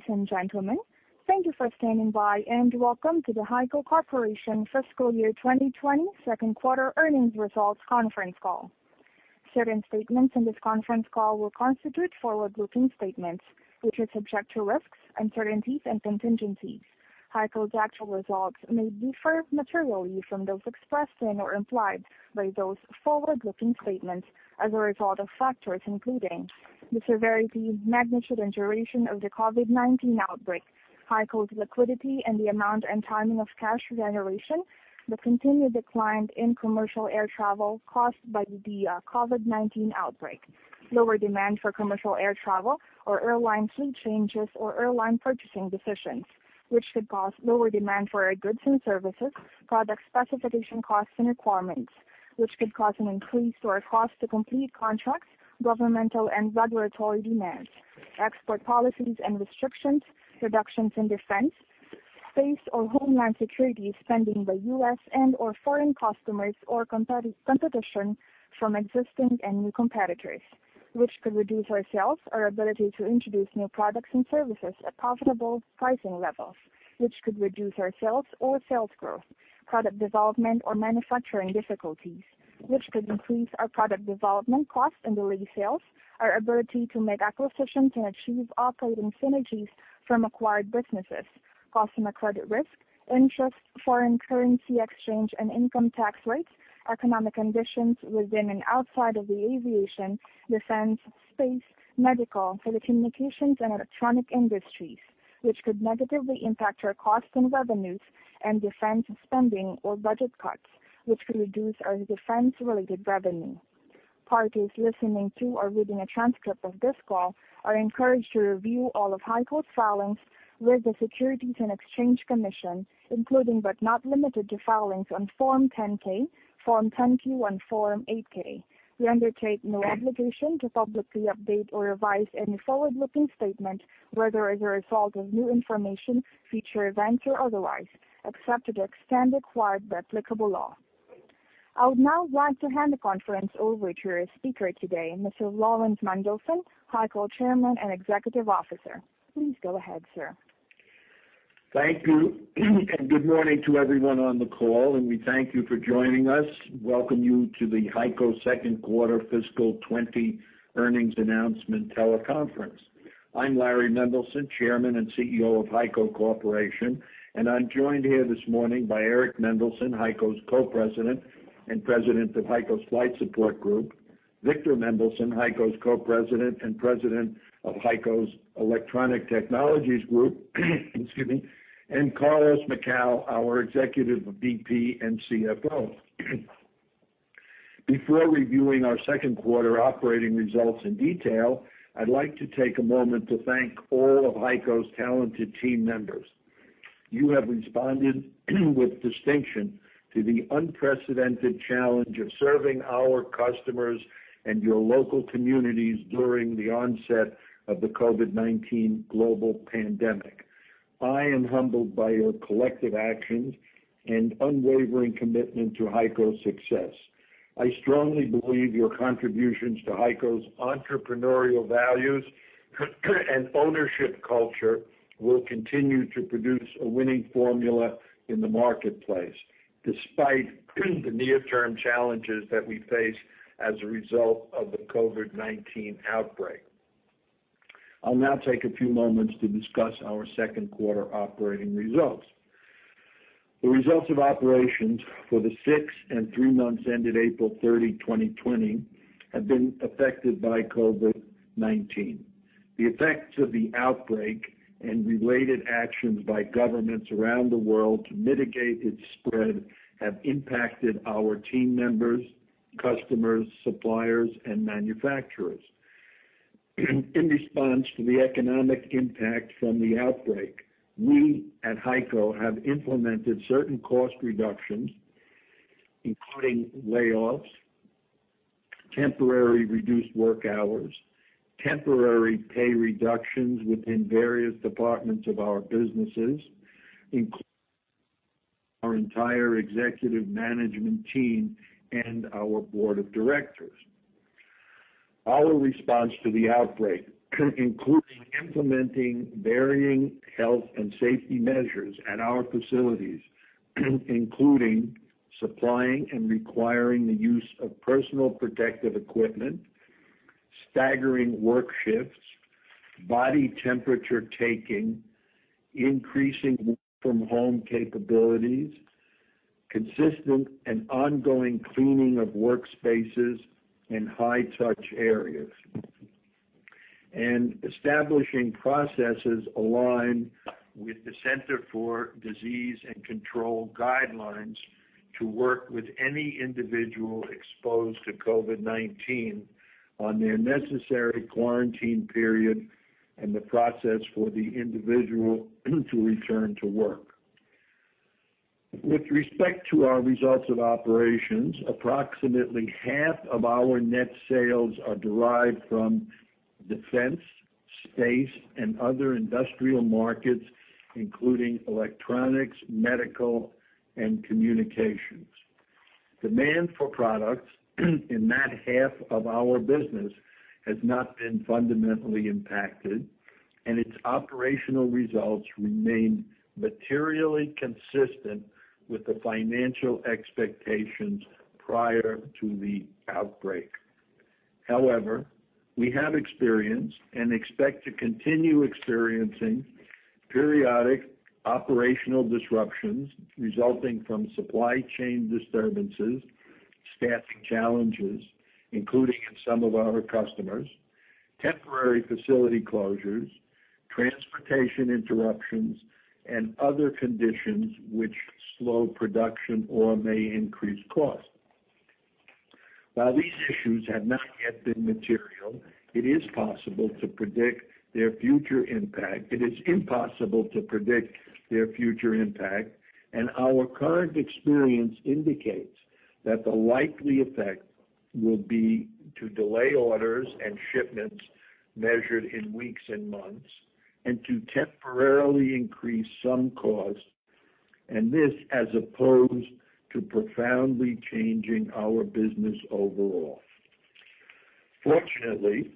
Ladies and gentlemen, thank you for standing by and welcome to the HEICO Corporation Fiscal Year 2020 second quarter earnings results conference call. Certain statements in this conference call will constitute forward-looking statements, which are subject to risks, uncertainties, and contingencies. HEICO's actual results may differ materially from those expressed in or implied by those forward-looking statements as a result of factors including the severity, magnitude, and duration of the COVID-19 outbreak, HEICO's liquidity and the amount and timing of cash generation, the continued decline in commercial air travel caused by the COVID-19 outbreak, lower demand for commercial air travel or airline fleet changes or airline purchasing decisions, which could cause lower demand for our goods and services, product specification costs and requirements, which could cause an increase to our cost to complete contracts, governmental and regulatory demands, export policies and restrictions, reductions in defense, space or homeland security spending by U.S. and/or foreign customers or competition from existing and new competitors, which could reduce our sales, our ability to introduce new products and services at profitable pricing levels, which could reduce our sales or sales growth, product development or manufacturing difficulties, which could increase our product development costs and delay sales, our ability to make acquisitions and achieve operating synergies from acquired businesses, customer credit risk, interest, foreign currency exchange, and income tax rates, economic conditions within and outside of the aviation, defense, space, medical, telecommunications, and electronic industries, which could negatively impact our costs and revenues, and defense spending or budget cuts, which could reduce our defense-related revenue. Parties listening to or reading a transcript of this call are encouraged to review all of HEICO's filings with the Securities and Exchange Commission, including, but not limited to, filings on Form 10-K, Form 10-Q, and Form 8-K. We undertake no obligation to publicly update or revise any forward-looking statement whether as a result of new information, future events, or otherwise, except to the extent required by applicable law. I would now like to hand the conference over to our speaker today, Mr. Laurans Mendelson, HEICO Chairman and Chief Executive Officer. Please go ahead, sir. Thank you. Good morning to everyone on the call. We thank you for joining us. Welcome you to the HEICO second quarter fiscal 2020 earnings announcement teleconference. I'm Laurans Mendelson, Chairman and CEO of HEICO Corporation. I'm joined here this morning by Eric Mendelson, HEICO's Co-President and President of HEICO's Flight Support Group, Victor Mendelson, HEICO's Co-President and President of HEICO's Electronic Technologies Group, excuse me, and Carlos Macau, our Executive VP and CFO. Before reviewing our second quarter operating results in detail, I'd like to take a moment to thank all of HEICO's talented team members. You have responded with distinction to the unprecedented challenge of serving our customers and your local communities during the onset of the COVID-19 global pandemic. I am humbled by your collective actions and unwavering commitment to HEICO's success. I strongly believe your contributions to HEICO's entrepreneurial values and ownership culture will continue to produce a winning formula in the marketplace despite the near-term challenges that we face as a result of the COVID-19 outbreak. I'll now take a few moments to discuss our second quarter operating results. The results of operations for the six and three months ended April 30, 2020, have been affected by COVID-19. The effects of the outbreak and related actions by governments around the world to mitigate its spread have impacted our team members, customers, suppliers, and manufacturers. In response to the economic impact from the outbreak, we at HEICO have implemented certain cost reductions, including layoffs, temporary reduced work hours, temporary pay reductions within various departments of our businesses, including our entire executive management team and our board of directors. Our response to the outbreak includes implementing varying health and safety measures at our facilities, including supplying and requiring the use of personal protective equipment, staggering work shifts, body temperature taking, increasing work-from-home capabilities, consistent and ongoing cleaning of workspaces and high-touch areas, and establishing processes aligned with the Center for Disease and Control guidelines to work with any individual exposed to COVID-19 on their necessary quarantine period and the process for the individual to return to work. With respect to our results of operations, approximately half of our net sales are derived from defense, space, and other industrial markets, including electronics, medical, and communications. Demand for products in that half of our business has not been fundamentally impacted, and its operational results remain materially consistent with the financial expectations prior to the outbreak. However, we have experienced and expect to continue experiencing periodic operational disruptions resulting from supply chain disturbances, staffing challenges, including in some of our customers, temporary facility closures, transportation interruptions, and other conditions which slow production or may increase cost. While these issues have not yet been material, it is possible to predict their future impact. It is impossible to predict their future impact, our current experience indicates that the likely effect will be to delay orders and shipments measured in weeks and months, and to temporarily increase some costs, and this as opposed to profoundly changing our business overall. Fortunately,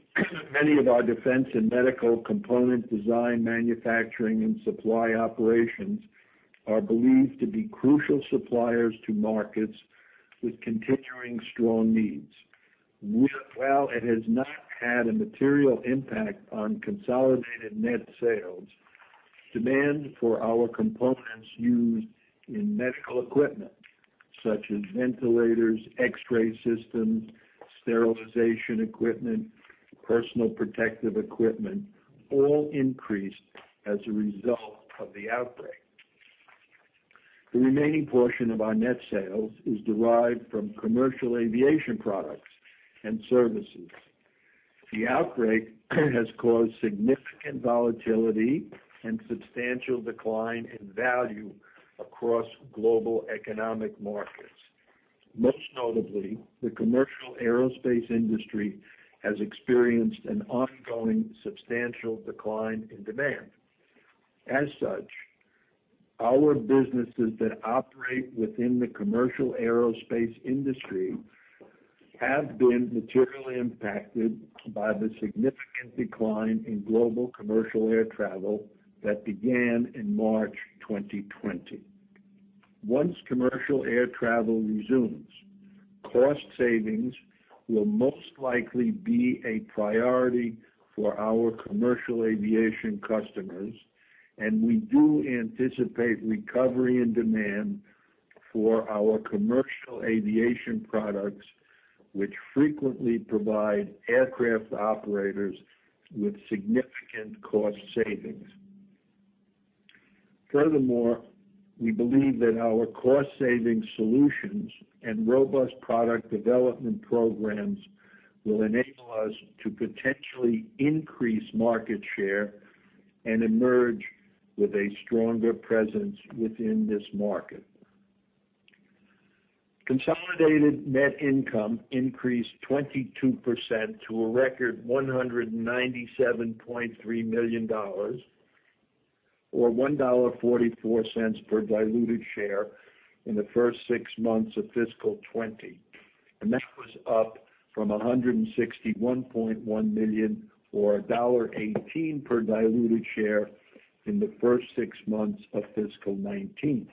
many of our defense and medical component design, manufacturing, and supply operations are believed to be crucial suppliers to markets with continuing strong needs. While it has not had a material impact on consolidated net sales, demand for our components used in medical equipment such as ventilators, X-ray systems, sterilization equipment, personal protective equipment, all increased as a result of the outbreak. The remaining portion of our net sales is derived from commercial aviation products and services. The outbreak has caused significant volatility and substantial decline in value across global economic markets. Most notably, the commercial aerospace industry has experienced an ongoing substantial decline in demand. As such, our businesses that operate within the commercial aerospace industry have been materially impacted by the significant decline in global commercial air travel that began in March 2020. Once commercial air travel resumes, cost savings will most likely be a priority for our commercial aviation customers, and we do anticipate recovery and demand for our commercial aviation products, which frequently provide aircraft operators with significant cost savings. Furthermore, we believe that our cost-saving solutions and robust product development programs will enable us to potentially increase market share and emerge with a stronger presence within this market. Consolidated net income increased 22% to a record $197.3 million, or $1.44 per diluted share in the first six months of fiscal 2020, and that was up from $161.1 million or $1.18 per diluted share in the first six months of fiscal 2019.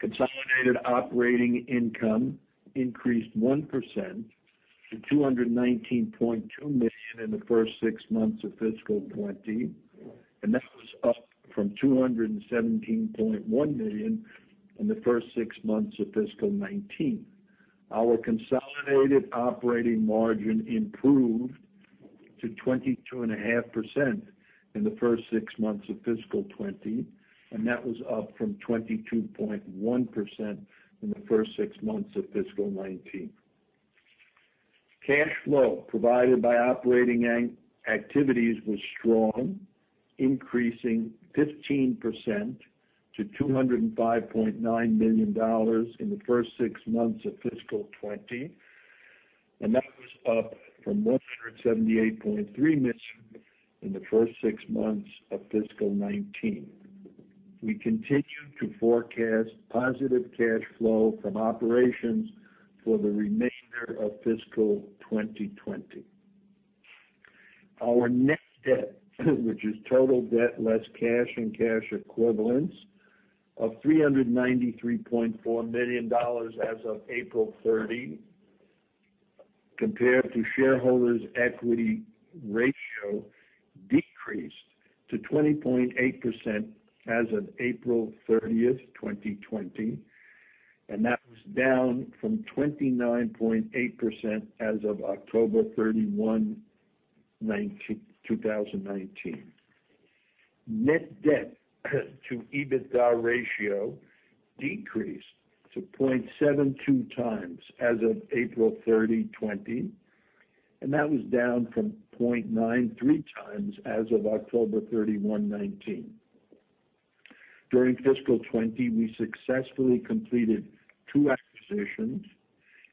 Consolidated operating income increased 1% to $219.2 million in the first six months of fiscal 2020, and that was up from $217.1 million in the first six months of fiscal 2019. Our consolidated operating margin improved to 22.5% in the first six months of fiscal 2020, and that was up from 22.1% in the first six months of fiscal 2019. Cash flow provided by operating activities was strong, increasing 15% to $205.9 million in the first six months of fiscal 2020, and that was up from $178.3 million in the first six months of fiscal 2019. We continue to forecast positive cash flow from operations for the remainder of fiscal 2020. Our net debt, which is total debt less cash and cash equivalents of $393.4 million as of April 30, compared to shareholders equity ratio decreased to 20.8% as of April 30, 2020, and that was down from 29.8% as of October 31, 2019. Net debt to EBITDA ratio decreased to 0.72 times as of April 30, 2020, and that was down from 0.93 times as of October 31, 2019. During fiscal 2020, we successfully completed two acquisitions,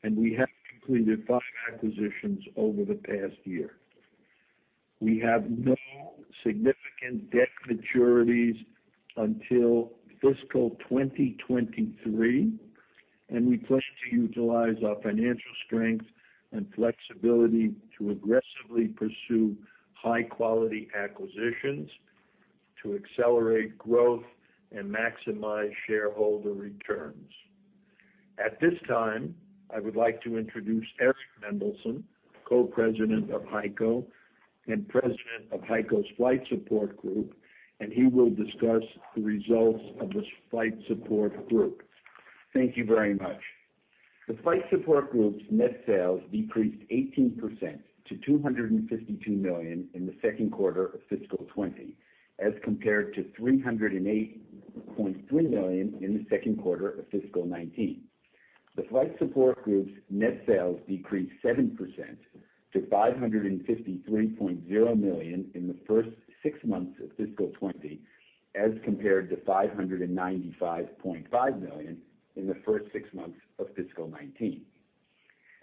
and we have completed five acquisitions over the past year. We have no significant debt maturities until fiscal 2023. We pledge to utilize our financial strength and flexibility to aggressively pursue high-quality acquisitions to accelerate growth and maximize shareholder returns. At this time, I would like to introduce Eric Mendelson, Co-President of HEICO and President of HEICO's Flight Support Group. He will discuss the results of this Flight Support Group. Thank you very much. The Flight Support Group's net sales decreased 18% to $252 million in the second quarter of fiscal 2020, as compared to $308.3 million in the second quarter of fiscal 2019. The Flight Support Group's net sales decreased 7% to $553.0 million in the first six months of fiscal 2020, as compared to $595.5 million in the first six months of fiscal 2019.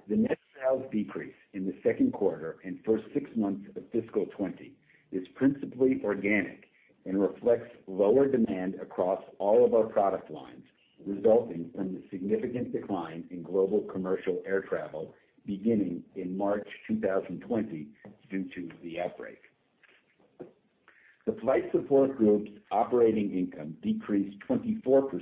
The net sales decrease in the second quarter and first six months of fiscal 2020 is principally organic and reflects lower demand across all of our product lines, resulting from the significant decline in global commercial air travel beginning in March 2020 due to the outbreak. The Flight Support Group's operating income decreased 24%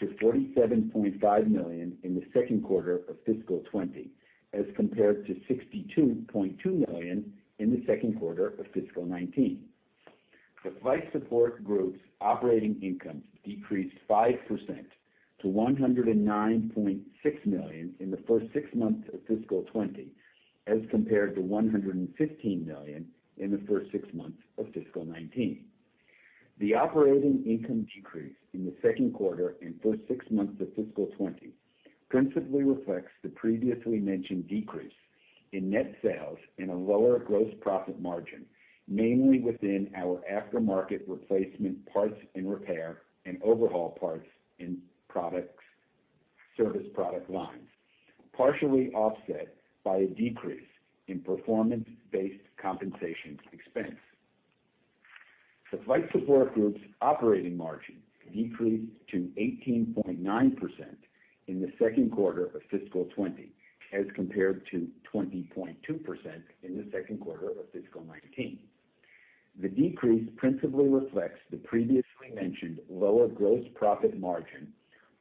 to $47.5 million in the second quarter of fiscal 2020, as compared to $62.2 million in the second quarter of fiscal 2019. The Flight Support Group's operating income decreased 5% to $109.6 million in the first six months of fiscal 2020, as compared to $115 million in the first six months of fiscal 2019. The operating income decrease in the second quarter and first six months of fiscal 2020 principally reflects the previously mentioned decrease in net sales and a lower gross profit margin, mainly within our aftermarket replacement parts and repair and overhaul parts in service product lines, partially offset by a decrease in performance-based compensation expense. The Flight Support Group's operating margin decreased to 18.9% in the second quarter of fiscal 2020, as compared to 20.2% in the second quarter of fiscal 2019. The decrease principally reflects the previously mentioned lower gross profit margin,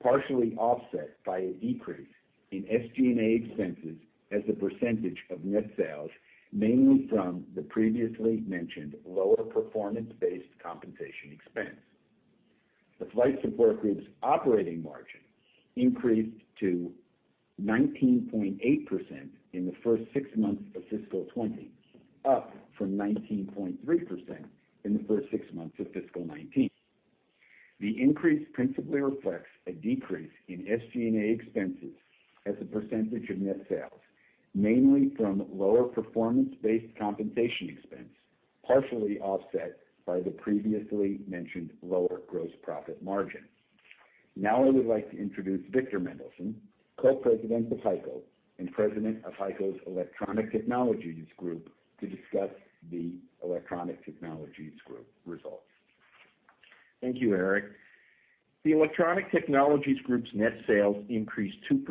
partially offset by a decrease in SG&A expenses as a percentage of net sales, mainly from the previously mentioned lower performance-based compensation expense. The Flight Support Group's operating margin increased to 19.8% in the first six months of fiscal 2020, up from 19.3% in the first six months of fiscal 2019. The increase principally reflects a decrease in SG&A expenses as a percentage of net sales, mainly from lower performance-based compensation expense, partially offset by the previously mentioned lower gross profit margin. Now I would like to introduce Victor Mendelson, Co-president of HEICO and President of HEICO's Electronic Technologies Group, to discuss the Electronic Technologies Group results. Thank you, Eric. The Electronic Technologies Group's net sales increased 2%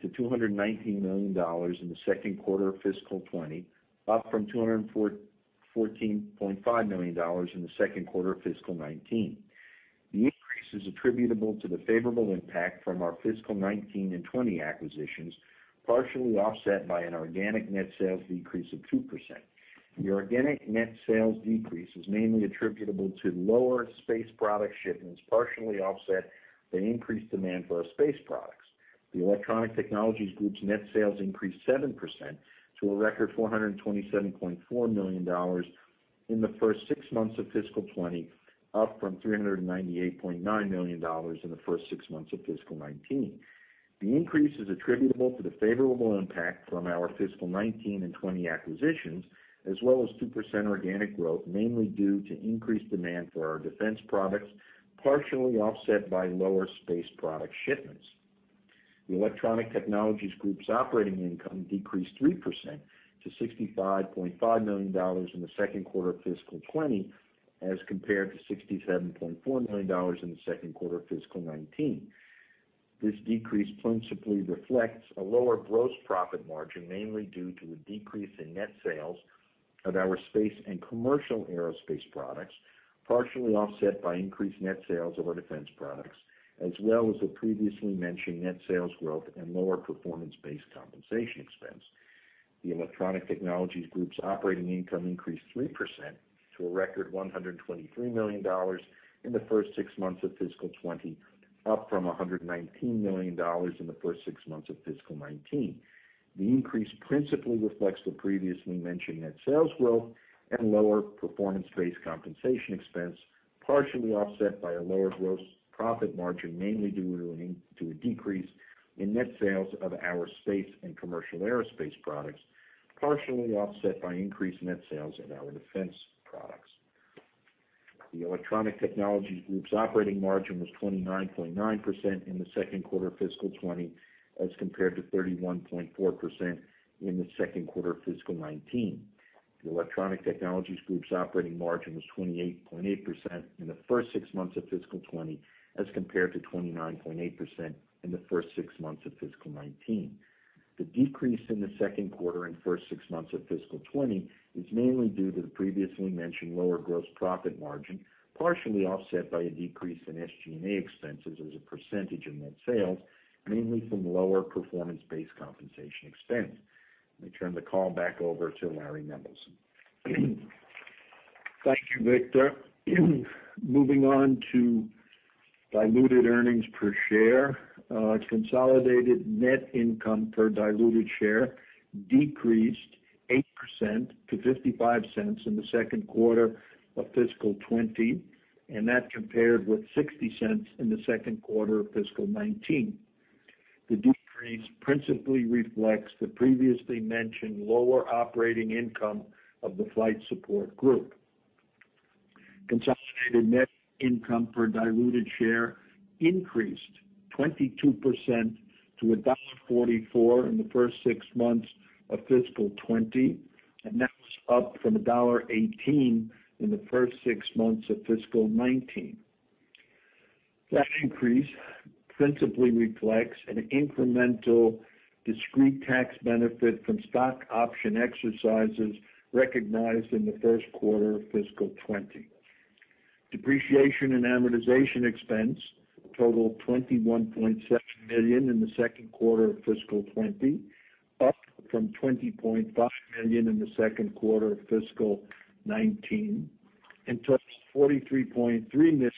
to $219 million in the second quarter of fiscal 2020, up from $214.5 million in the second quarter of fiscal 2019. The increase is attributable to the favorable impact from our fiscal 2019 and 2020 acquisitions, partially offset by an organic net sales decrease of 2%. The organic net sales decrease is mainly attributable to lower space product shipments, partially offset by increased demand for our space products. The Electronic Technologies Group's net sales increased 7% to a record $427.4 million in the first six months of fiscal 2020, up from $398.9 million in the first six months of fiscal 2019. The increase is attributable to the favorable impact from our fiscal 2019 and 2020 acquisitions, as well as 2% organic growth, mainly due to increased demand for our defense products, partially offset by lower space product shipments. The Electronic Technologies Group's operating income decreased 3% to $65.5 million in the second quarter of fiscal 2020 as compared to $67.4 million in the second quarter of fiscal 2019. This decrease principally reflects a lower gross profit margin, mainly due to a decrease in net sales of our space and commercial aerospace products, partially offset by increased net sales of our defense products, as well as the previously mentioned net sales growth and lower performance-based compensation expense. The Electronic Technologies Group's operating income increased 3% to a record $123 million in the first six months of fiscal 2020, up from $119 million in the first six months of fiscal 2019. The increase principally reflects the previously mentioned net sales growth and lower performance-based compensation expense, partially offset by a lower gross profit margin, mainly due to a decrease in net sales of our space and commercial aerospace products, partially offset by increased net sales at our defense. The Electronic Technologies Group's operating margin was 29.9% in the second quarter of fiscal 2020, as compared to 31.4% in the second quarter of fiscal 2019. The Electronic Technologies Group's operating margin was 28.8% in the first six months of fiscal 2020, as compared to 29.8% in the first six months of fiscal 2019. The decrease in the second quarter and first six months of fiscal 2020 is mainly due to the previously mentioned lower gross profit margin, partially offset by a decrease in SG&A expenses as a percentage of net sales, mainly from lower performance-based compensation expense. Let me turn the call back over to Laurans Mendelson. Thank you, Victor. Moving on to diluted earnings per share. Consolidated net income per diluted share decreased 8% to $0.55 in the second quarter of fiscal 2020. That compared with $0.60 in the second quarter of fiscal 2019. The decrease principally reflects the previously mentioned lower operating income of the Flight Support Group. Consolidated net income per diluted share increased 22% to $1.44 in the first six months of fiscal 2020. That was up from $1.18 in the first six months of fiscal 2019. That increase principally reflects an incremental discrete tax benefit from stock option exercises recognized in the first quarter of fiscal 2020. Depreciation and amortization expense totaled $21.7 million in the second quarter of fiscal 2020, up from $20.5 million in the second quarter of fiscal 2019, and touched $43.3 million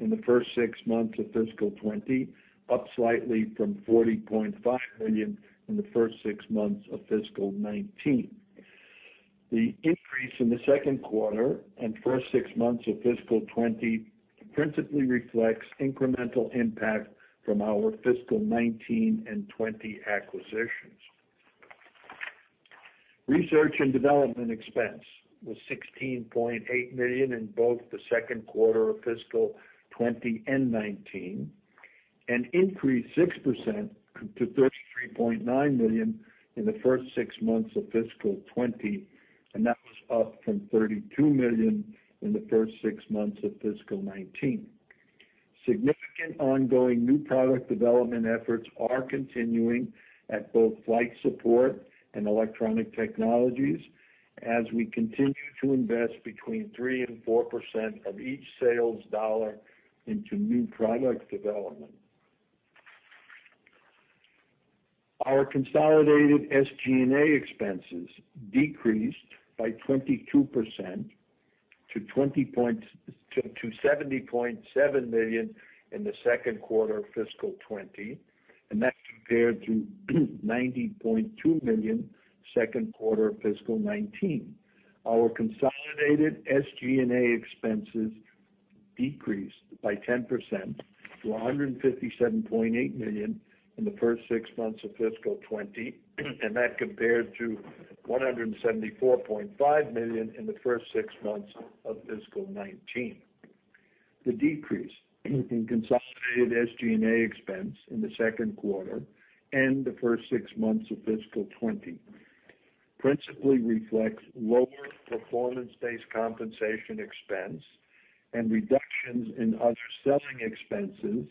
in the first six months of fiscal 2020, up slightly from $40.5 million in the first six months of fiscal 2019. The increase in the second quarter and first six months of fiscal 2020 principally reflects incremental impact from our fiscal 2019 and 2020 acquisitions. Research and development expense was $16.8 million in both the second quarter of fiscal 2020 and 2019, and increased 6% to $33.9 million in the first six months of fiscal 2020, and that was up from $32 million in the first six months of fiscal 2019. Significant ongoing new product development efforts are continuing at both Flight Support and Electronic Technologies, as we continue to invest between 3% and 4% of each sales dollar into new product development. Our consolidated SG&A expenses decreased by 22% to $70.7 million in the second quarter of fiscal 2020, and that compared to $90.2 million second quarter of fiscal 2019. Our consolidated SG&A expenses decreased by 10% to $157.8 million in the first six months of fiscal 2020, and that compared to $174.5 million in the first six months of fiscal 2019. The decrease in consolidated SG&A expense in the second quarter and the first six months of fiscal 2020 principally reflects lower performance-based compensation expense and reductions in other selling expenses,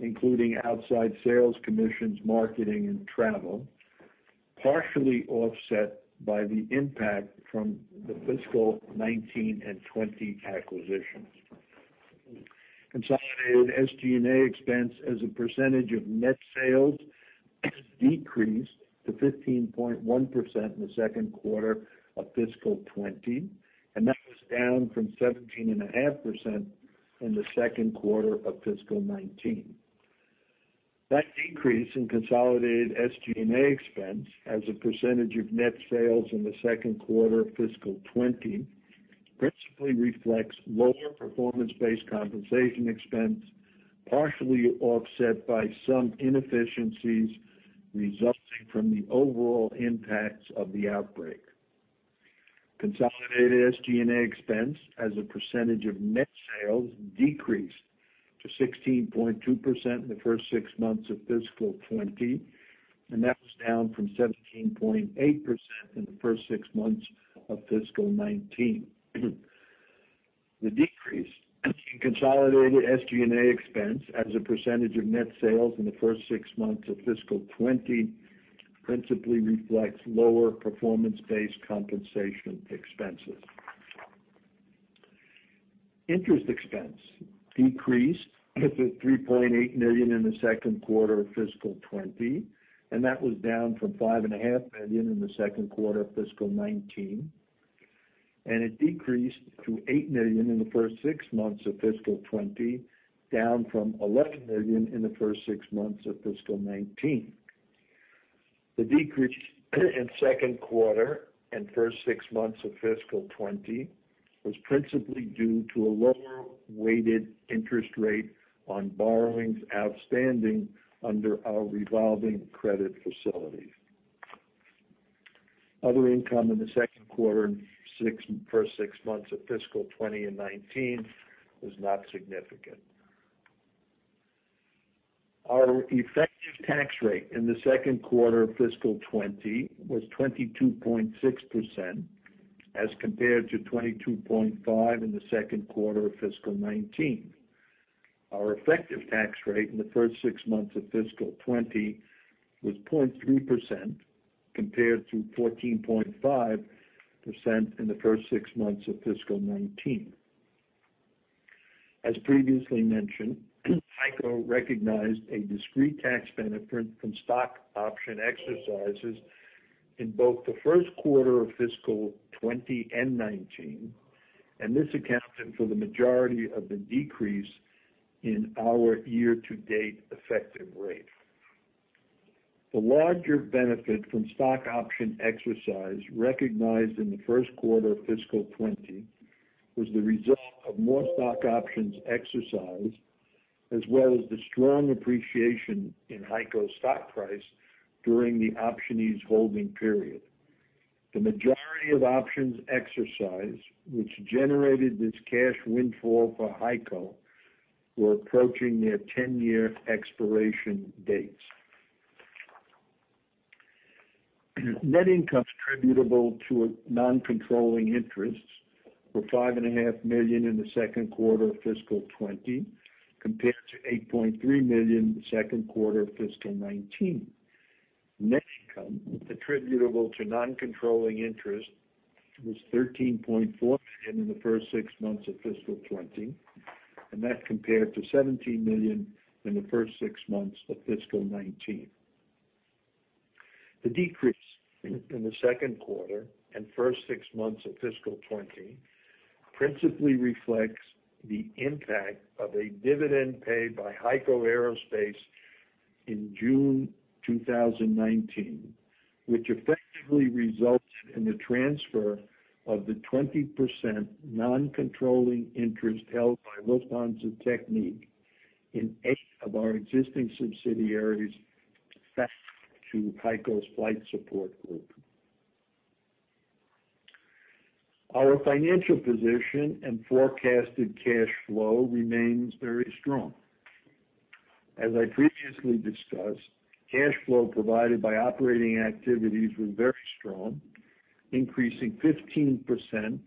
including outside sales commissions, marketing, and travel, partially offset by the impact from the fiscal 2019 and 2020 acquisitions. Consolidated SG&A expense as a percentage of net sales decreased to 15.1% in the second quarter of fiscal 2020. That was down from 17.5% in the second quarter of fiscal 2019. That decrease in consolidated SG&A expense as a percentage of net sales in the second quarter of fiscal 2020 principally reflects lower performance-based compensation expense, partially offset by some inefficiencies resulting from the overall impacts of the outbreak. Consolidated SG&A expense as a percentage of net sales decreased to 16.2% in the first six months of fiscal 2020. That was down from 17.8% in the first six months of fiscal 2019. The decrease in consolidated SG&A expense as a percentage of net sales in the first six months of fiscal 2020 principally reflects lower performance-based compensation expenses. Interest expense decreased to $3.8 million in the second quarter of fiscal 2020. That was down from $5.5 million in the second quarter of fiscal 2019. It decreased to $8 million in the first six months of fiscal 2020, down from $11 million in the first six months of fiscal 2019. The decrease in second quarter and first six months of fiscal 2020 was principally due to a lower weighted interest rate on borrowings outstanding under our revolving credit facility. Other income in the second quarter and first six months of fiscal 2019 was not significant. Our effective tax rate in the second quarter of fiscal 2020 was 22.6%, as compared to 22.5% in the second quarter of fiscal 2019. Our effective tax rate in the first six months of fiscal 2020 was 0.3%, compared to 14.5% in the first six months of fiscal 2019. As previously mentioned, HEICO recognized a discrete tax benefit from stock option exercises in both the first quarter of fiscal 2020 and 2019, this accounted for the majority of the decrease in our year-to-date effective rate. The larger benefit from stock option exercise recognized in the first quarter of fiscal 2020 was the result of more stock options exercised, as well as the strong appreciation in HEICO stock price during the optionee's holding period. The majority of options exercise, which generated this cash windfall for HEICO, were approaching their 10-year expiration dates. Net income attributable to non-controlling interests were $5.5 million in the second quarter of fiscal 2020, compared to $8.3 million in the second quarter of fiscal 2019. Net income attributable to non-controlling interest was $13.4 million in the first six months of fiscal 2020. That compared to $17 million in the first six months of fiscal 2019. The decrease in the second quarter and first six months of fiscal 2020 principally reflects the impact of a dividend paid by HEICO Aerospace in June 2019, which effectively resulted in the transfer of the 20% non-controlling interest held by Lufthansa Technik in eight of our existing subsidiaries back to HEICO's Flight Support Group. Our financial position and forecasted cash flow remains very strong. As I previously discussed, cash flow provided by operating activities was very strong, increasing 15%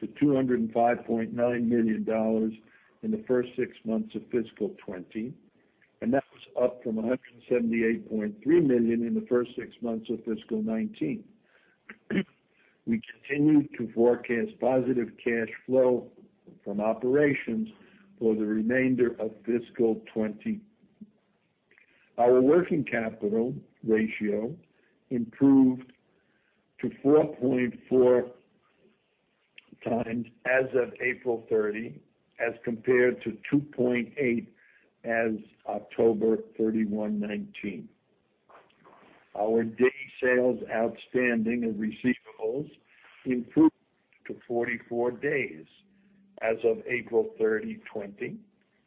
to $205.9 million in the first six months of fiscal 2020. That was up from $178.3 million in the first six months of fiscal 2019. We continue to forecast positive cash flow from operations for the remainder of fiscal 2020. Our working capital ratio improved to 4.4 times as of April 30, as compared to 2.8 as of October 31, 2019. Our day sales outstanding and receivables improved to 44 days as of April 30, 2020,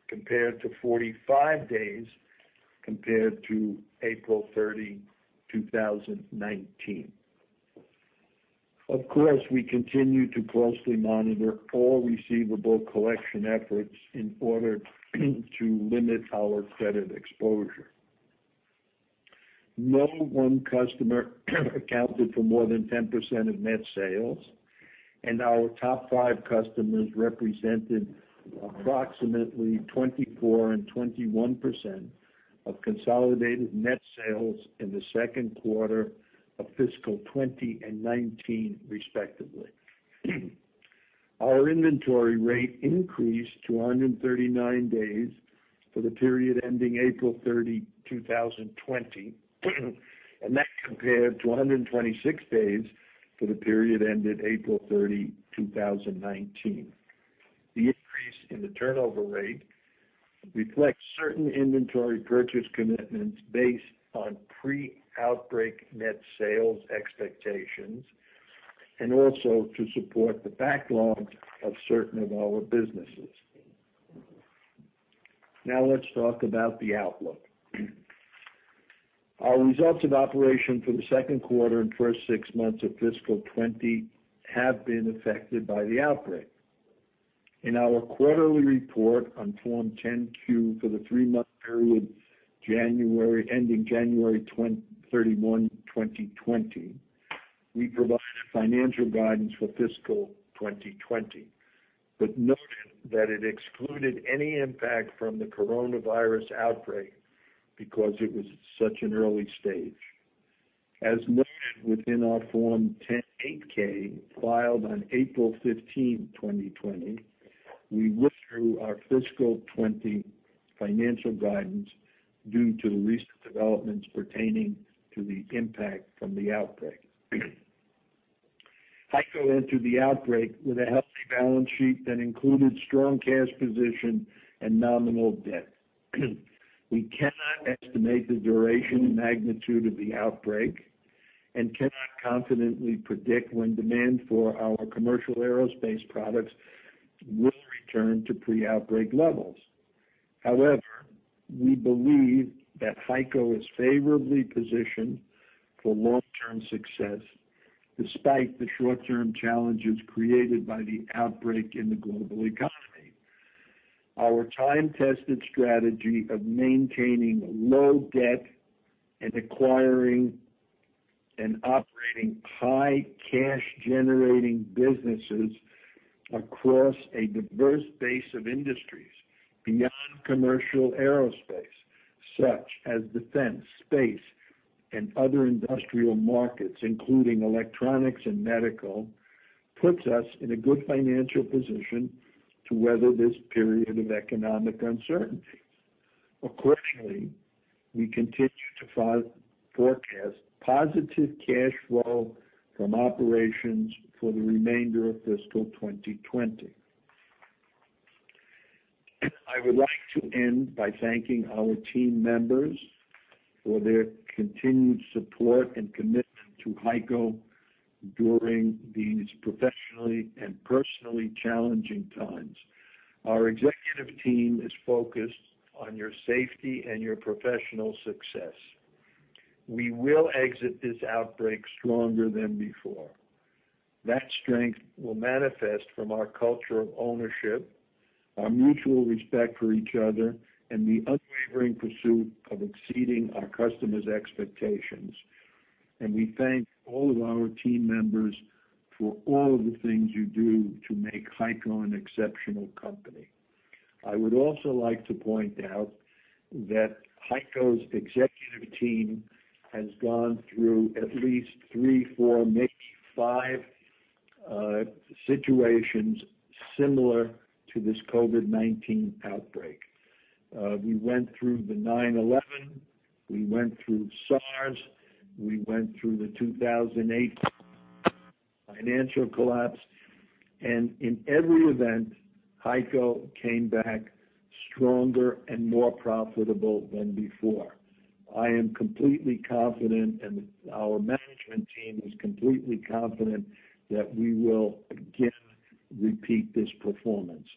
compared to 45 days compared to April 30, 2019. Of course, we continue to closely monitor all receivable collection efforts in order to limit our credit exposure. No one customer accounted for more than 10% of net sales, and our top five customers represented approximately 24% and 21% of consolidated net sales in the second quarter of fiscal 2020 and 2019, respectively. Our inventory rate increased to 139 days for the period ending April 30, 2020, and that compared to 126 days for the period ended April 30, 2019. The increase in the turnover rate reflects certain inventory purchase commitments based on pre-outbreak net sales expectations, and also to support the backlog of certain of our businesses. Let's talk about the outlook. Our results of operation for the second quarter and first six months of fiscal 2020 have been affected by the outbreak. In our quarterly report on Form 10-Q for the three-month period ending January 31, 2020, we provided financial guidance for fiscal 2020, noted that it excluded any impact from the coronavirus outbreak because it was at such an early stage. As noted within our Form 8-K filed on April 15, 2020, we withdrew our fiscal 2020 financial guidance due to the recent developments pertaining to the impact from the outbreak. HEICO entered the outbreak with a healthy balance sheet that included strong cash position and nominal debt. We cannot estimate the duration and magnitude of the outbreak and cannot confidently predict when demand for our commercial aerospace products will return to pre-outbreak levels. However, we believe that HEICO is favorably positioned for long-term success, despite the short-term challenges created by the outbreak in the global economy. Our time-tested strategy of maintaining low debt and acquiring and operating high cash-generating businesses across a diverse base of industries beyond commercial aerospace, such as defense, space, and other industrial markets, including electronics and medical, puts us in a good financial position to weather this period of economic uncertainty. Accordingly, we continue to forecast positive cash flow from operations for the remainder of fiscal 2020. I would like to end by thanking our team members for their continued support and commitment to HEICO during these professionally and personally challenging times. Our executive team is focused on your safety and your professional success. We will exit this outbreak stronger than before. That strength will manifest from our culture of ownership, our mutual respect for each other, and the unwavering pursuit of exceeding our customers' expectations. We thank all of our team members for all of the things you do to make HEICO an exceptional company. I would also like to point out that HEICO's executive team has gone through at least three, four, maybe five situations similar to this COVID-19 outbreak. We went through the 9/11. We went through SARS. We went through the 2008 financial collapse. In every event, HEICO came back stronger and more profitable than before. I am completely confident, and our management team is completely confident that we will again repeat this performance.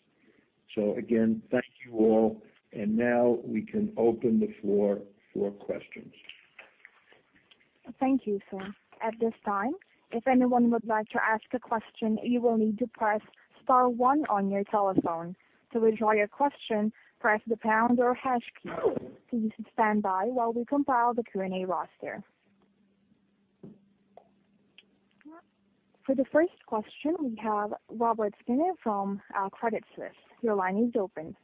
Again, thank you all. Now we can open the floor for questions. Thank you, sir. At this time, if anyone would like to ask a question, you will need to press star one on your telephone. To withdraw your question, press the pound or hash key. Please stand by while we compile the Q&A roster. For the first question, we have Robert Spingarn from Credit Suisse. Your line is open.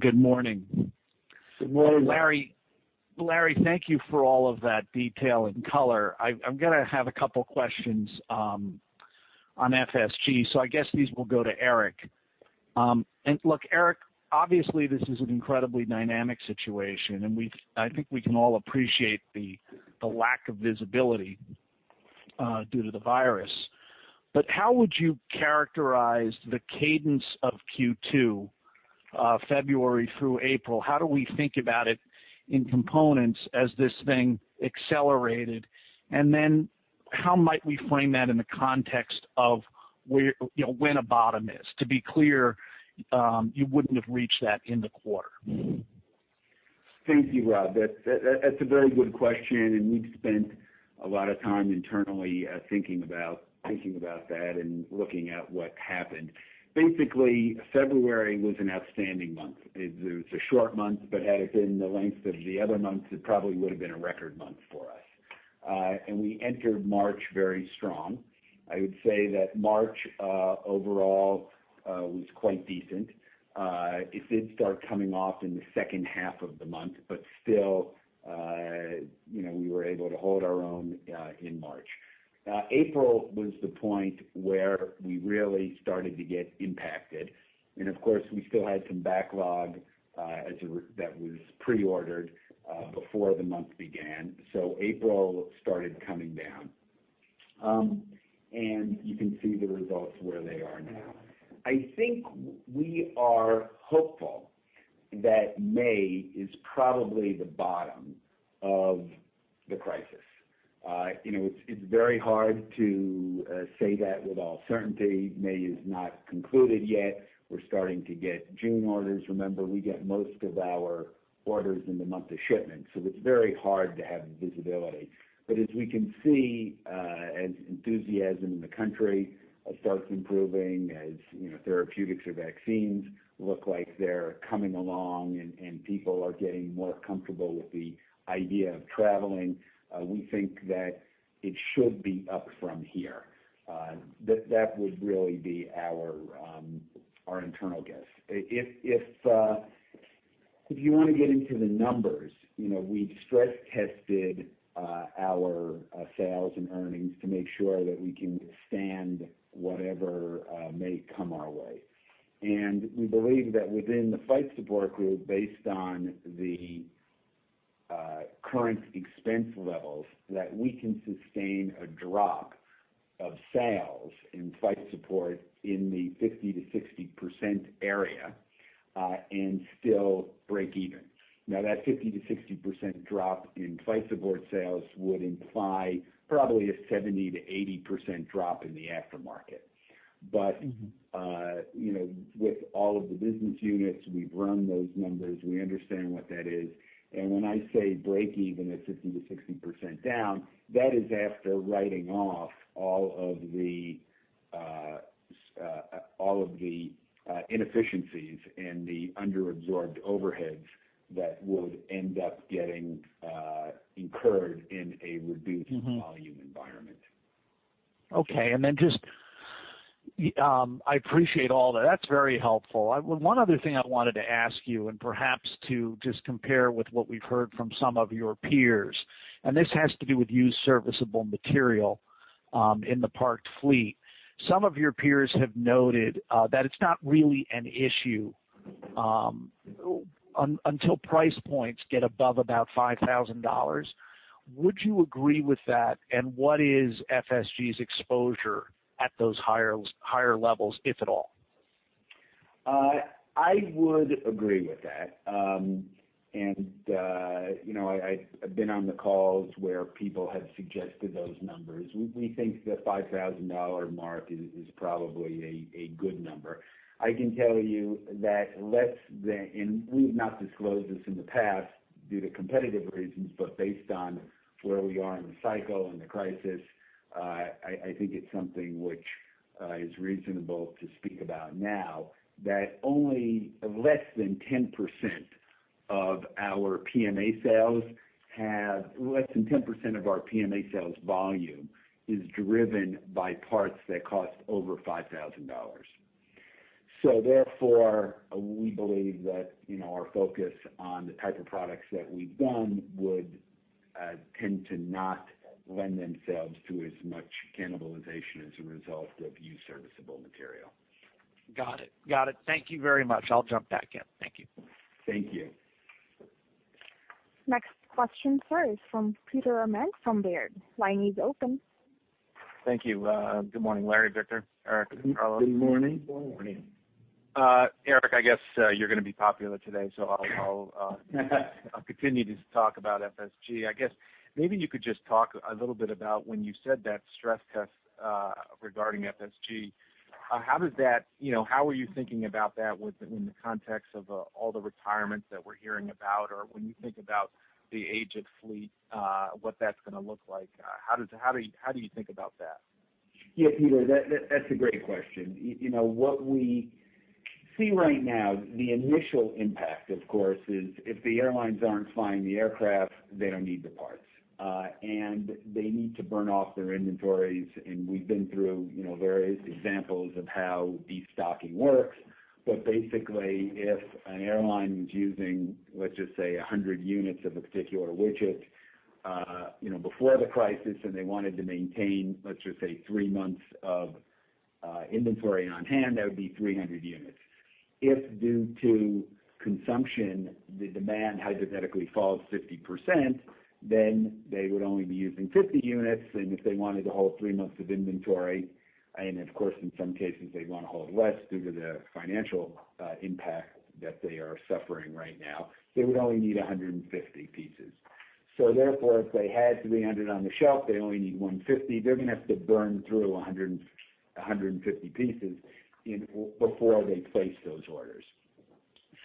Good morning. Good morning, Rob. Larry, thank you for all of that detail and color. I'm going to have a couple questions on FSG, so I guess these will go to Eric. Look, Eric, obviously, this is an incredibly dynamic situation, and I think we can all appreciate the lack of visibility due to the virus. How would you characterize the cadence of Q2, February through April? How do we think about it in components as this thing accelerated? How might we frame that in the context of when a bottom is? To be clear, you wouldn't have reached that in the quarter. Thank you, Rob. That's a very good question, and we've spent a lot of time internally thinking about that and looking at what happened. Basically, February was an outstanding month. It's a short month, but had it been the length of the other months, it probably would have been a record month for us. We entered March very strong. I would say that March, overall, was quite decent. It did start coming off in the second half of the month, but still, we were able to hold our own in March. April was the point where we really started to get impacted. Of course, we still had some backlog that was pre-ordered before the month began, April started coming down. You can see the results where they are now. I think we are hopeful that May is probably the bottom of the crisis. It's very hard to say that with all certainty. May is not concluded yet. We're starting to get June orders. Remember, we get most of our orders in the month of shipment, so it's very hard to have visibility. As we can see, as enthusiasm in the country starts improving, as therapeutics or vaccines look like they're coming along, and people are getting more comfortable with the idea of traveling, we think that it should be up from here. That would really be our internal guess. If you want to get into the numbers, we've stress-tested our sales and earnings to make sure that we can withstand whatever may come our way. We believe that within the Flight Support Group, based on the current expense levels, that we can sustain a drop of sales in Flight Support in the 50%-60% area, and still break even. That 50%-60% drop in Flight Support sales would imply probably a 70%-80% drop in the aftermarket. With all of the business units, we've run those numbers. We understand what that is. When I say breakeven is 50%-60% down, that is after writing off all of the inefficiencies and the under-absorbed overheads that would end up getting incurred in a reduced volume environment. Okay. I appreciate all that. That's very helpful. One other thing I wanted to ask you, and perhaps to just compare with what we've heard from some of your peers, and this has to do with used serviceable material in the parked fleet. Some of your peers have noted that it's not really an issue until price points get above about $5,000. Would you agree with that? What is FSG's exposure at those higher levels, if at all? I would agree with that. I've been on the calls where people have suggested those numbers. We think the $5,000 mark is probably a good number. I can tell you that less than, and we've not disclosed this in the past due to competitive reasons, but based on where we are in the cycle and the crisis, I think it's something which is reasonable to speak about now, that only less than 10% of our PMA sales volume is driven by parts that cost over $5,000. Therefore, we believe that our focus on the type of products that we've done would tend to not lend themselves to as much cannibalization as a result of used serviceable material. Got it. Thank you very much. I'll jump back in. Thank you. Thank you. Next question, sir, is from Peter Arment from Baird. Line is open. Thank you. Good morning, Laurans, Victor, Eric, and Carlos. Good morning. Eric, I guess you're going to be popular today, so I'll continue to talk about FSG. I guess maybe you could just talk a little bit about when you said that stress test regarding FSG, how are you thinking about that in the context of all the retirements that we're hearing about? Or when you think about the aged fleet, what that's going to look like, how do you think about that? Peter, that's a great question. What we see right now, the initial impact, of course, is if the airlines aren't flying the aircraft, they don't need the parts. They need to burn off their inventories, and we've been through various examples of how destocking works. Basically, if an airline was using, let's just say, 100 units of a particular widget before the crisis, and they wanted to maintain, let's just say, three months of inventory on hand, that would be 300 units. If due to consumption, the demand hypothetically falls 50%, then they would only be using 50 units, if they wanted to hold three months of inventory, and of course, in some cases, they'd want to hold less due to the financial impact that they are suffering right now, they would only need 150 pieces. Therefore, if they had 300 on the shelf, they only need 150. They're going to have to burn through 150 pieces before they place those orders.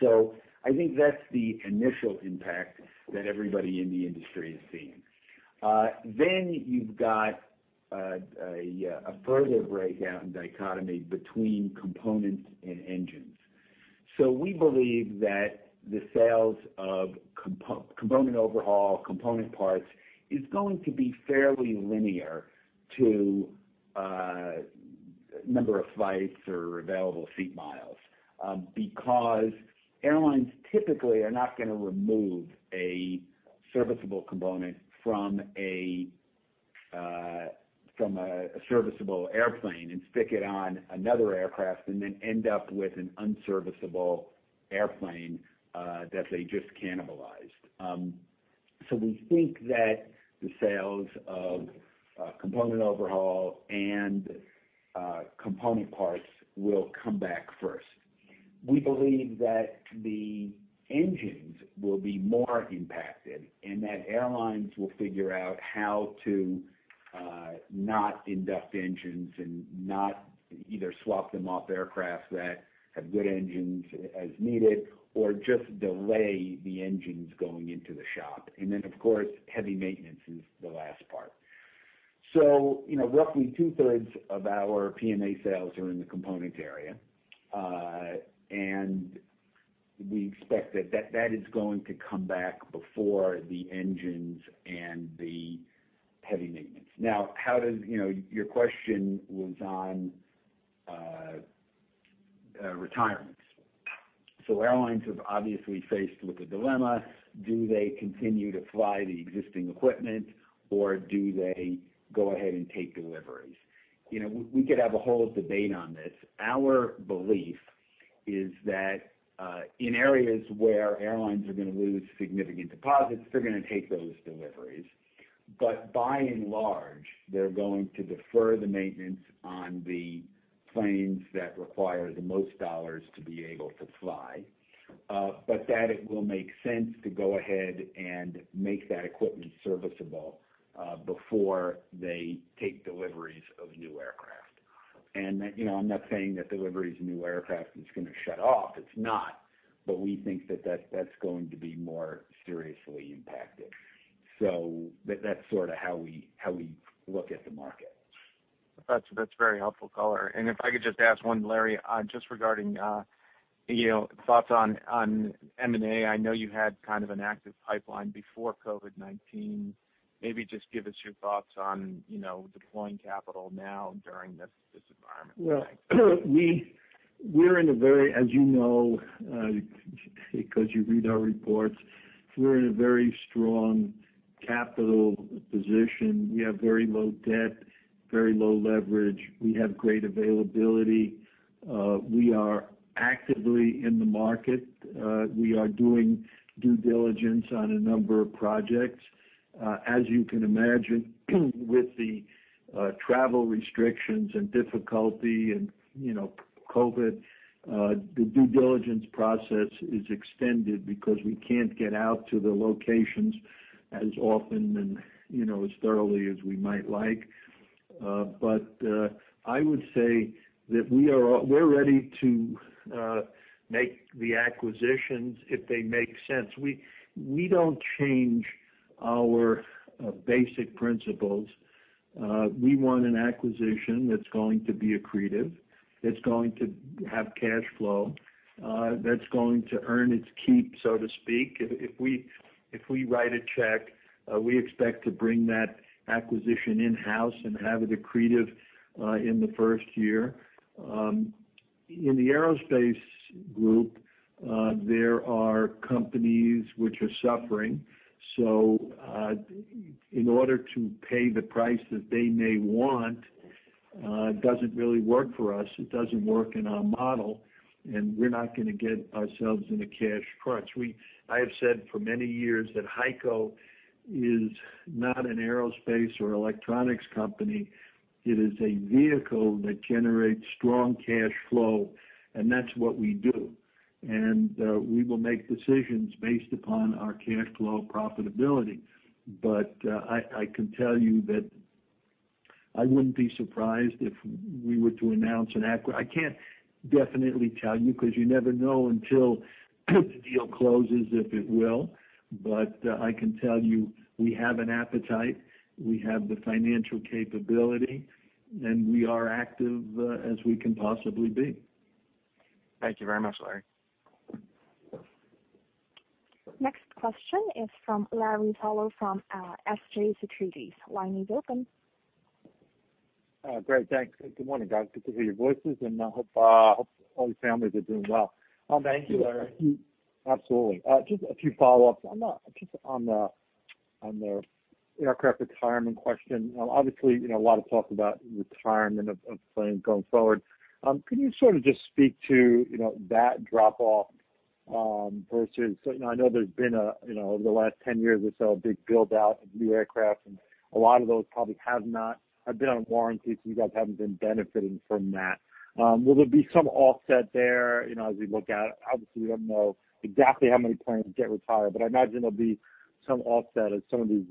I think that's the initial impact that everybody in the industry is seeing. You've got a further breakdown dichotomy between components and engines. We believe that the sales of component overhaul, component parts, is going to be fairly linear to number of flights or available seat miles. Airlines typically are not going to remove a serviceable component from a serviceable airplane and stick it on another aircraft and then end up with an unserviceable airplane that they just cannibalized. We think that the sales of component overhaul and component parts will come back first. We believe that the engines will be more impacted, and that airlines will figure out how to not induct engines and not either swap them off aircraft that have good engines as needed, or just delay the engines going into the shop. Of course, heavy maintenance is the last part. Roughly two-thirds of our PMA sales are in the components area. We expect that is going to come back before the engines and the heavy maintenance. Now, your question was on retirements. Airlines are obviously faced with a dilemma. Do they continue to fly the existing equipment, or do they go ahead and take deliveries? We could have a whole debate on this. Our belief is that in areas where airlines are going to lose significant deposits, they're going to take those deliveries. By and large, they're going to defer the maintenance on the planes that require the most dollars to be able to fly. That it will make sense to go ahead and make that equipment serviceable before they take deliveries of new aircraft. I'm not saying that deliveries of new aircraft is going to shut off, it's not. We think that that's going to be more seriously impacted. That's sort of how we look at the market. That's very helpful, [Eric]. If I could just ask one, Laurans, just regarding thoughts on M&A. I know you had kind of an active pipeline before COVID-19. Maybe just give us your thoughts on deploying capital now during this environment. Well, as you know, because you read our reports, we're in a very strong capital position. We have very low debt, very low leverage. We have great availability. We are actively in the market. We are doing due diligence on a number of projects. As you can imagine, with the travel restrictions and difficulty and COVID, the due diligence process is extended because we can't get out to the locations as often and as thoroughly as we might like. I would say that we're ready to make the acquisitions if they make sense. We don't change our basic principles. We want an acquisition that's going to be accretive, that's going to have cash flow, that's going to earn its keep, so to speak. If we write a check, we expect to bring that acquisition in-house and have it accretive in the first year. In the aerospace group, there are companies which are suffering. In order to pay the price that they may want, doesn't really work for us. It doesn't work in our model, and we're not going to get ourselves in a cash crunch. I have said for many years that HEICO is not an aerospace or electronics company. It is a vehicle that generates strong cash flow, and that's what we do. We will make decisions based upon our cash flow profitability. I can tell you that I wouldn't be surprised if we were to announce an acqui-- I can't definitely tell you because you never know until the deal closes, if it will. I can tell you, we have an appetite, we have the financial capability, and we are active as we can possibly be. Thank you very much, Laurans. Next question is from Larry Solow from CJS Securities. Line is open. Great. Thanks. Good morning, guys. Good to hear your voices, I hope all your families are doing well. Thank you, Larry. Absolutely. Just a few follow-ups. Just on the aircraft retirement question. Obviously, a lot of talk about retirement of planes going forward. Can you sort of just speak to that drop-off? I know there's been, over the last 10 years or so, a big build-out of new aircraft, and a lot of those probably have been on warranty, so you guys haven't been benefiting from that. Will there be some offset there as we look out? Obviously, we don't know exactly how many planes get retired, but I imagine there'll be some offset as some of these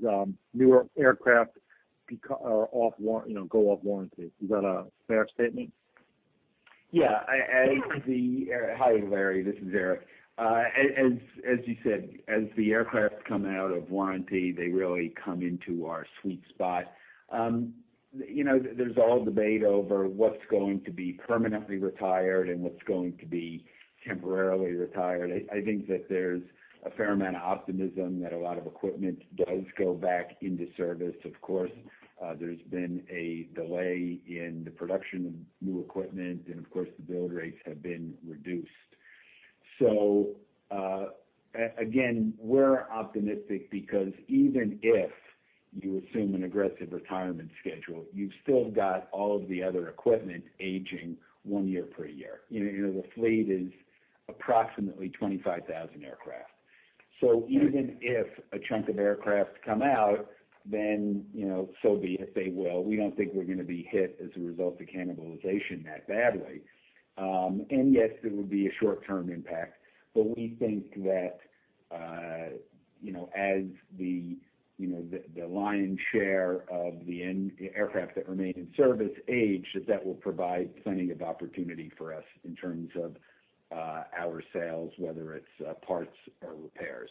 newer aircraft go off warranty. Is that a fair statement? Hi, Larry, this is Eric. As you said, as the aircraft come out of warranty, they really come into our sweet spot. There's all debate over what's going to be permanently retired and what's going to be temporarily retired. I think that there's a fair amount of optimism that a lot of equipment does go back into service. Of course, there's been a delay in the production of new equipment. Of course, the build rates have been reduced. Again, we're optimistic because even if you assume an aggressive retirement schedule, you've still got all of the other equipment aging one year per year. The fleet is approximately 25,000 aircraft. Even if a chunk of aircraft come out, so be it, they will. We don't think we're going to be hit as a result of cannibalization that badly. Yes, there will be a short-term impact, but we think that as the lion's share of the aircraft that remain in service age, that that will provide plenty of opportunity for us in terms of our sales, whether it's parts or repairs.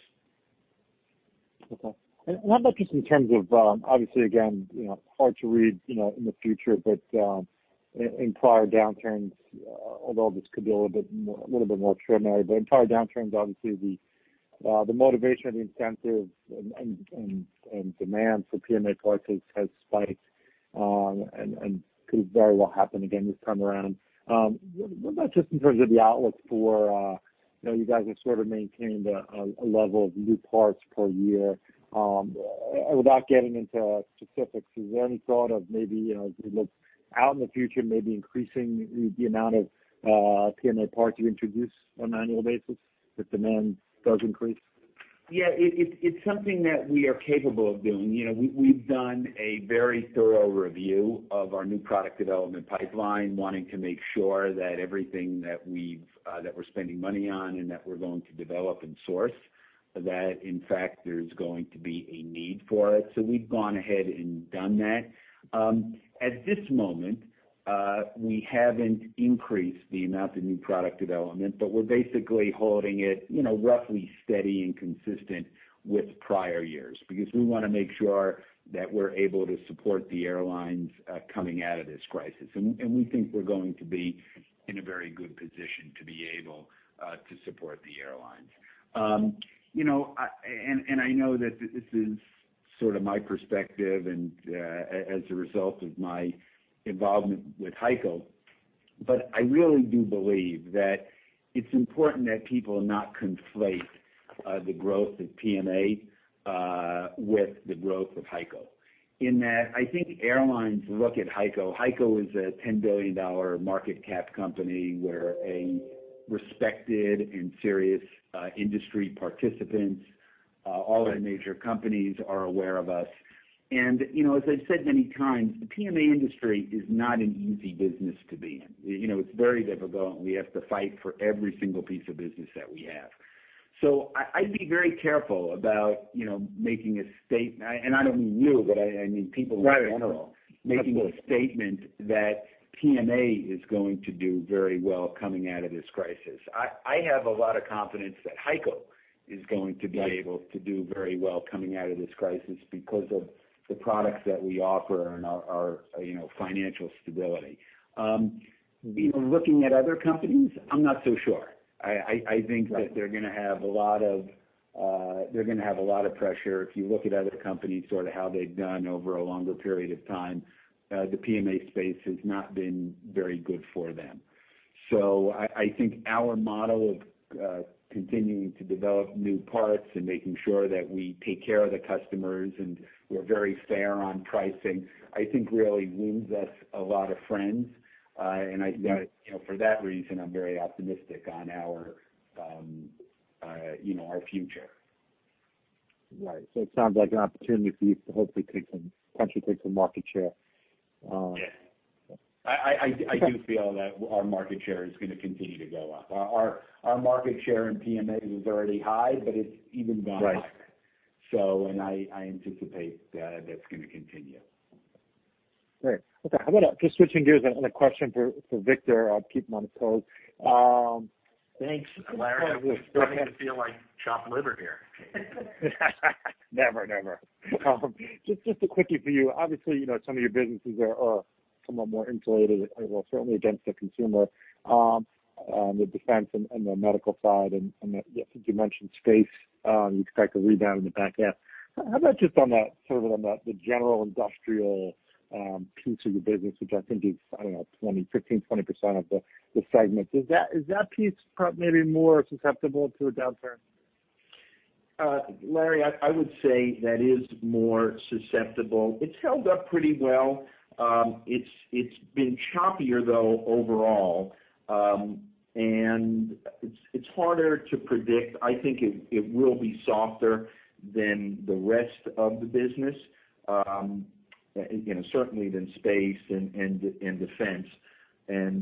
Okay. What about just in terms of, obviously again, hard to read in the future, but in prior downturns, although this could be a little bit more extraordinary, but in prior downturns, obviously the motivation, the incentive, and demand for PMA parts has spiked, and could very well happen again this time around. What about just in terms of the outlook for. You guys have sort of maintained a level of new parts per year. Without getting into specifics, has there any thought of maybe as we look out in the future, maybe increasing the amount of PMA parts you introduce on an annual basis if demand does increase? It's something that we are capable of doing. We've done a very thorough review of our new product development pipeline, wanting to make sure that everything that we're spending money on and that we're going to develop and source, that in fact, there's going to be a need for it. We've gone ahead and done that. At this moment, we haven't increased the amount of new product development, but we're basically holding it roughly steady and consistent with prior years, because we want to make sure that we're able to support the airlines coming out of this crisis. We think we're going to be in a very good position to be able to support the airlines. I know that this is sort of my perspective and as a result of my involvement with HEICO, but I really do believe that it's important that people not conflate the growth of PMA with the growth of HEICO, in that I think airlines look at HEICO. HEICO is a $10 billion market cap company. We're a respected and serious industry participant. All the major companies are aware of us. As I've said many times, the PMA industry is not an easy business to be in. It's very difficult, and we have to fight for every single piece of business that we have. I'd be very careful about making a statement, and I don't mean you, but I mean people in general. Right. Of course. Making a statement that PMA is going to do very well coming out of this crisis. I have a lot of confidence that HEICO is going to be able to do very well coming out of this crisis because of the products that we offer and our financial stability. Looking at other companies, I'm not so sure. I think that they're going to have a lot of pressure. If you look at other companies, sort of how they've done over a longer period of time, the PMA space has not been very good for them. I think our model of continuing to develop new parts and making sure that we take care of the customers, and we're very fair on pricing, I think really wins us a lot of friends. For that reason, I'm very optimistic on our future. Right. It sounds like an opportunity for you to hopefully penetrate some market share. Yeah. I do feel that our market share is going to continue to go up. Our market share in PMA is already high, but it's even gone higher. Right. I anticipate that's going to continue. Great. Okay. How about just switching gears and a question for Victor. I'll keep Monte out. Thanks, Larry. I'm starting to feel like chopped liver here. Never. Just a quickie for you. Obviously, some of your businesses are somewhat more insulated, certainly against the consumer, on the defense and the medical side, and I think you mentioned space. You expect a rebound in the back half. How about just on the general industrial piece of your business, which I think is, I don't know, 15%, 20% of the segment. Is that piece maybe more susceptible to a downturn? Larry, I would say that is more susceptible. It's held up pretty well. It's been choppier, though, overall. It's harder to predict. I think it will be softer than the rest of the business. Certainly than space and defense,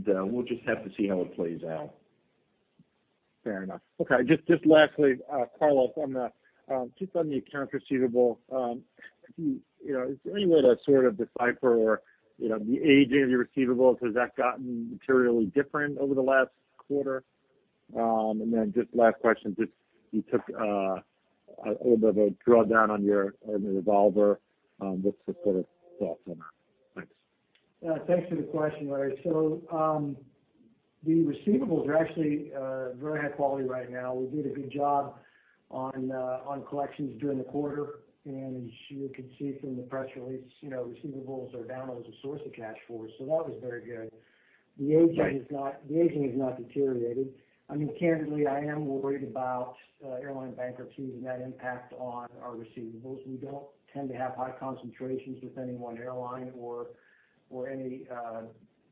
we'll just have to see how it plays out. Fair enough. Okay. Just lastly, Carlos, just on the accounts receivable. Is there any way to sort of decipher or the aging of your receivables? Has that gotten materially different over the last quarter? Just last question, just you took a little bit of a drawdown on your revolver. What's the sort of thoughts on that? Thanks. Thanks for the question, Larry. The receivables are actually very high quality right now. We did a good job on collections during the quarter, and as you can see from the press release, receivables are down as a source of cash for us. That was very good. Right. The aging has not deteriorated. Candidly, I am worried about airline bankruptcies and that impact on our receivables. We don't tend to have high concentrations with any one airline or any,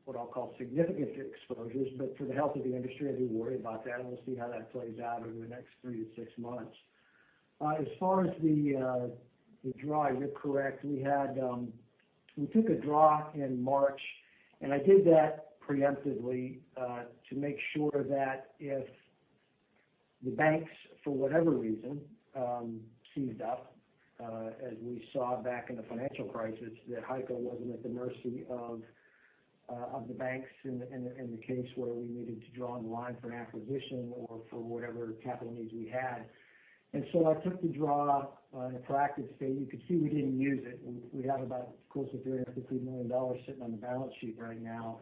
what I'll call significant exposures. For the health of the industry, I do worry about that, and we'll see how that plays out over the next three to six months. As far as the draw, you're correct. We took a draw in March, and I did that preemptively to make sure that if the banks, for whatever reason, seized up as we saw back in the financial crisis, that HEICO wasn't at the mercy of the banks in the case where we needed to draw on the line for an acquisition or for whatever capital needs we had. I took the draw in a proactive state. You could see we didn't use it. We have about close to $350 million sitting on the balance sheet right now.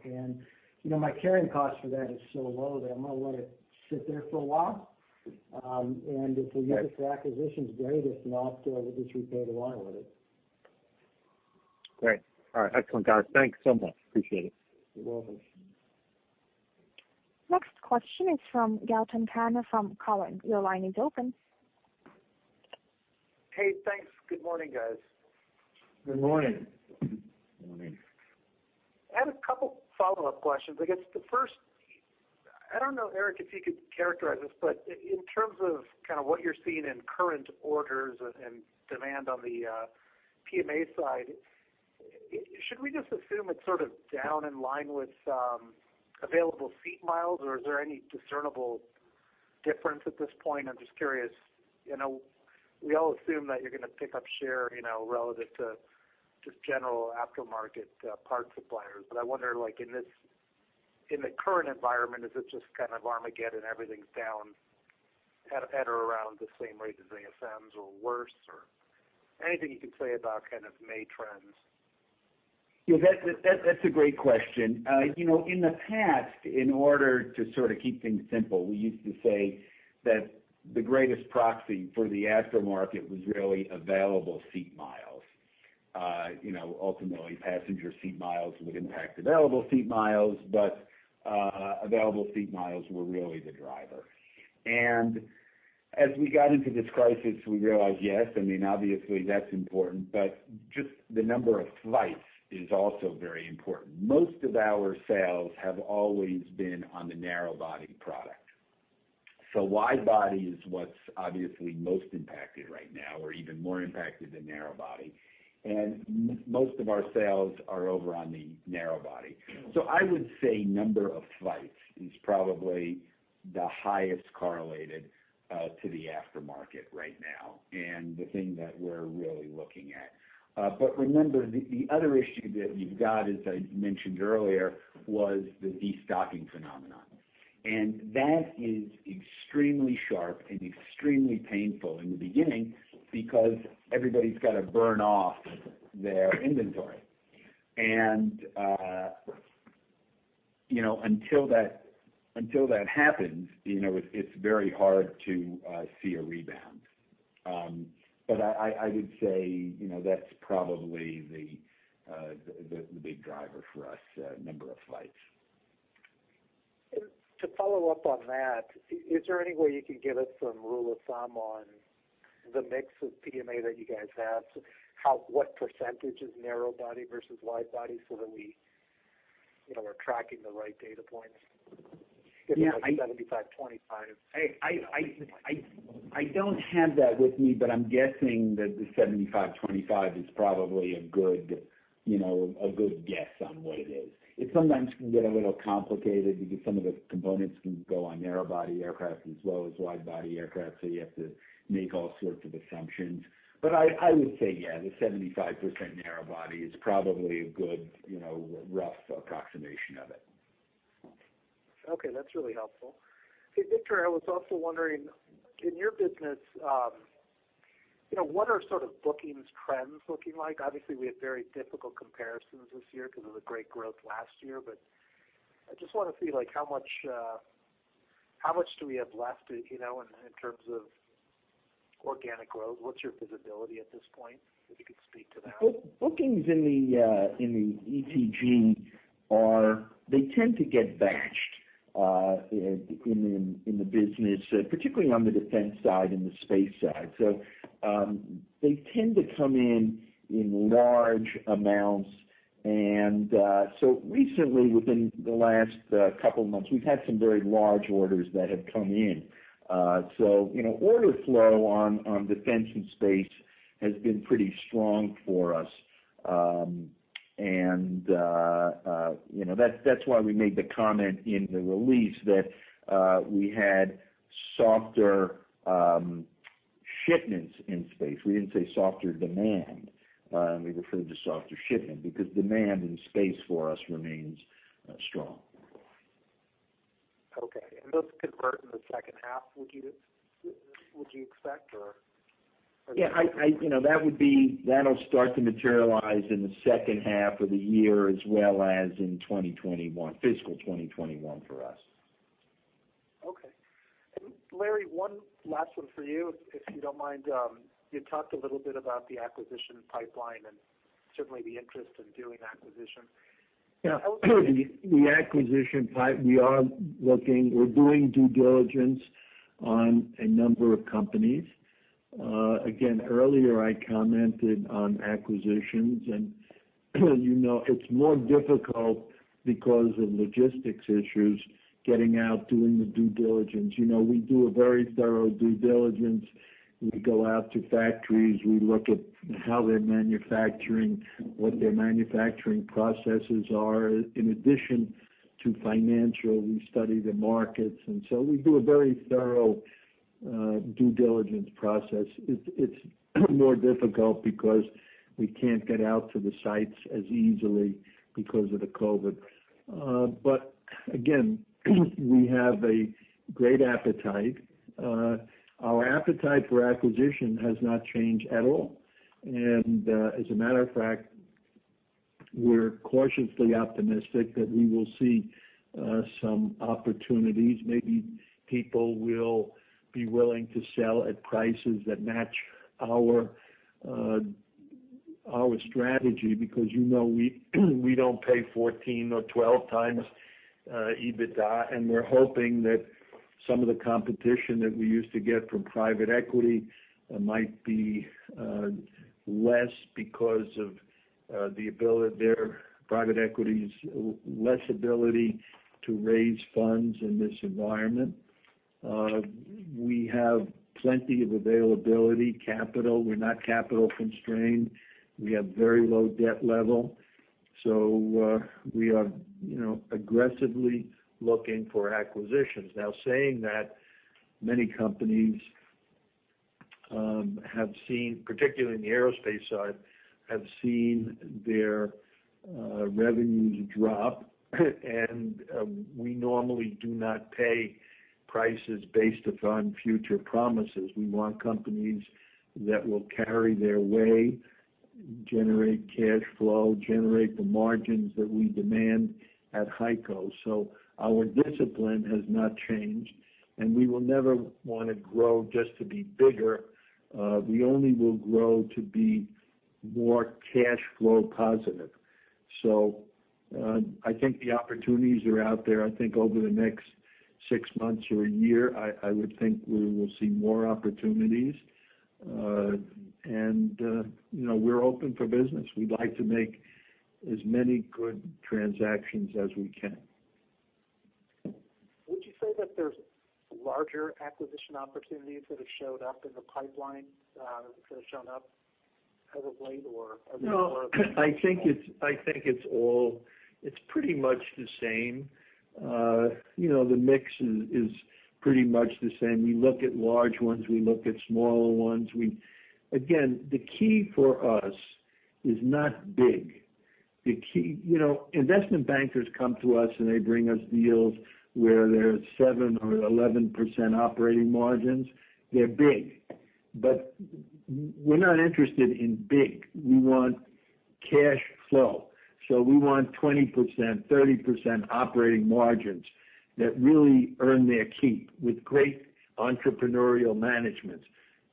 My carrying cost for that is so low that I'm going to let it sit there for a while. If we use it for acquisitions, great. If not, we'll just repay the line with it. Great. All right. Excellent, guys. Thanks so much. Appreciate it. You're welcome. Next question is from Gautam Khanna from Cowen. Your line is open. Hey, thanks. Good morning, guys. Good morning. Morning. I had a couple follow-up questions. I guess the first, I don't know, Eric, if you could characterize this, but in terms of what you're seeing in current orders and demand on the PMA side, should we just assume it's down in line with available seat miles, or is there any discernible difference at this point? I'm just curious. We all assume that you're going to pick up share, relative to just general aftermarket parts suppliers. I wonder, in the current environment, is it just kind of Armageddon, everything's down at or around the same rate as ASMs or worse? Anything you can say about May trends? Yeah, that's a great question. In the past, in order to keep things simple, we used to say that the greatest proxy for the aftermarket was really Available Seat Miles. Ultimately, passenger seat miles would impact Available Seat Miles, but Available Seat Miles were really the driver. As we got into this crisis, we realized, yes, obviously, that's important, but just the number of flights is also very important. Most of our sales have always been on the narrow body product. Wide body is what's obviously most impacted right now or even more impacted than narrow body. Most of our sales are over on the narrow body. I would say number of flights is probably the highest correlated to the aftermarket right now, and the thing that we're really looking at. Remember, the other issue that you've got, as I mentioned earlier, was the destocking phenomenon. That is extremely sharp and extremely painful in the beginning because everybody's got to burn off their inventory. Until that happens, it's very hard to see a rebound. I would say, that's probably the big driver for us, number of flights. To follow up on that, is there any way you could give us some rule of thumb on the mix of PMA that you guys have? What percentage is narrow body versus wide body so that we are tracking the right data points? Yeah. If it's like 75/25. I don't have that with me, but I'm guessing that the 75/25 is probably a good guess on what it is. It sometimes can get a little complicated because some of the components can go on narrow body aircraft as well as wide body aircraft, so you have to make all sorts of assumptions. But I would say yeah, the 75% narrow body is probably a good rough approximation of it. Okay. That's really helpful. Hey, Victor, I was also wondering, in your business, what are bookings trends looking like? Obviously, we have very difficult comparisons this year because of the great growth last year, but I just want to see how much do we have left in terms of organic growth. What's your visibility at this point? If you could speak to that. Bookings in the ETG, they tend to get batched, in the business, particularly on the defense side and the space side. They tend to come in large amounts. Recently, within the last couple of months, we've had some very large orders that have come in. Order flow on defense and space has been pretty strong for us. That's why we made the comment in the release that we had softer shipments in space. We didn't say softer demand. We referred to softer shipment because demand in space for us remains strong. Okay. Those convert in the second half, would you expect, or? Yeah. That'll start to materialize in the second half of the year, as well as in 2021, fiscal 2021 for us. Okay. Laurans, one last one for you, if you don't mind. You talked a little bit about the acquisition pipeline and certainly the interest in doing acquisition. Yeah. How would you? The acquisition pipe, we are looking. We're doing due diligence on a number of companies. Earlier, I commented on acquisitions and it's more difficult because of logistics issues, getting out, doing the due diligence. We do a very thorough due diligence. We go out to factories, we look at how they're manufacturing, what their manufacturing processes are. In addition to financial, we study the markets. We do a very thorough due diligence process. It's more difficult because we can't get out to the sites as easily because of the COVID-19. Again, we have a great appetite. Our appetite for acquisition has not changed at all. As a matter of fact, we're cautiously optimistic that we will see some opportunities. Maybe people will be willing to sell at prices that match our strategy because you know we don't pay 14 or 12 times EBITDA. We're hoping that some of the competition that we used to get from private equity might be less because of their private equity's less ability to raise funds in this environment. We have plenty of availability capital. We're not capital constrained. We have very low debt level. We are aggressively looking for acquisitions. Now, saying that, many companies, particularly in the aerospace side, have seen their revenues drop. We normally do not pay prices based upon future promises. We want companies that will carry their way, generate cash flow, generate the margins that we demand at HEICO. Our discipline has not changed. We will never want to grow just to be bigger. We only will grow to be more cash flow positive. I think the opportunities are out there. I think over the next six months or a year, I would think we will see more opportunities. We're open for business. We'd like to make as many good transactions as we can. Would you say that there's larger acquisition opportunities that have showed up in the pipeline, that have shown up of late, or are they more? No, I think it's pretty much the same. The mix is pretty much the same. We look at large ones. We look at smaller ones. Again, the key for us is not big. Investment bankers come to us, and they bring us deals where there's 7% or 11% operating margins. They're big. We're not interested in big. We want cash flow. We want 20%, 30% operating margins that really earn their keep with great entrepreneurial management.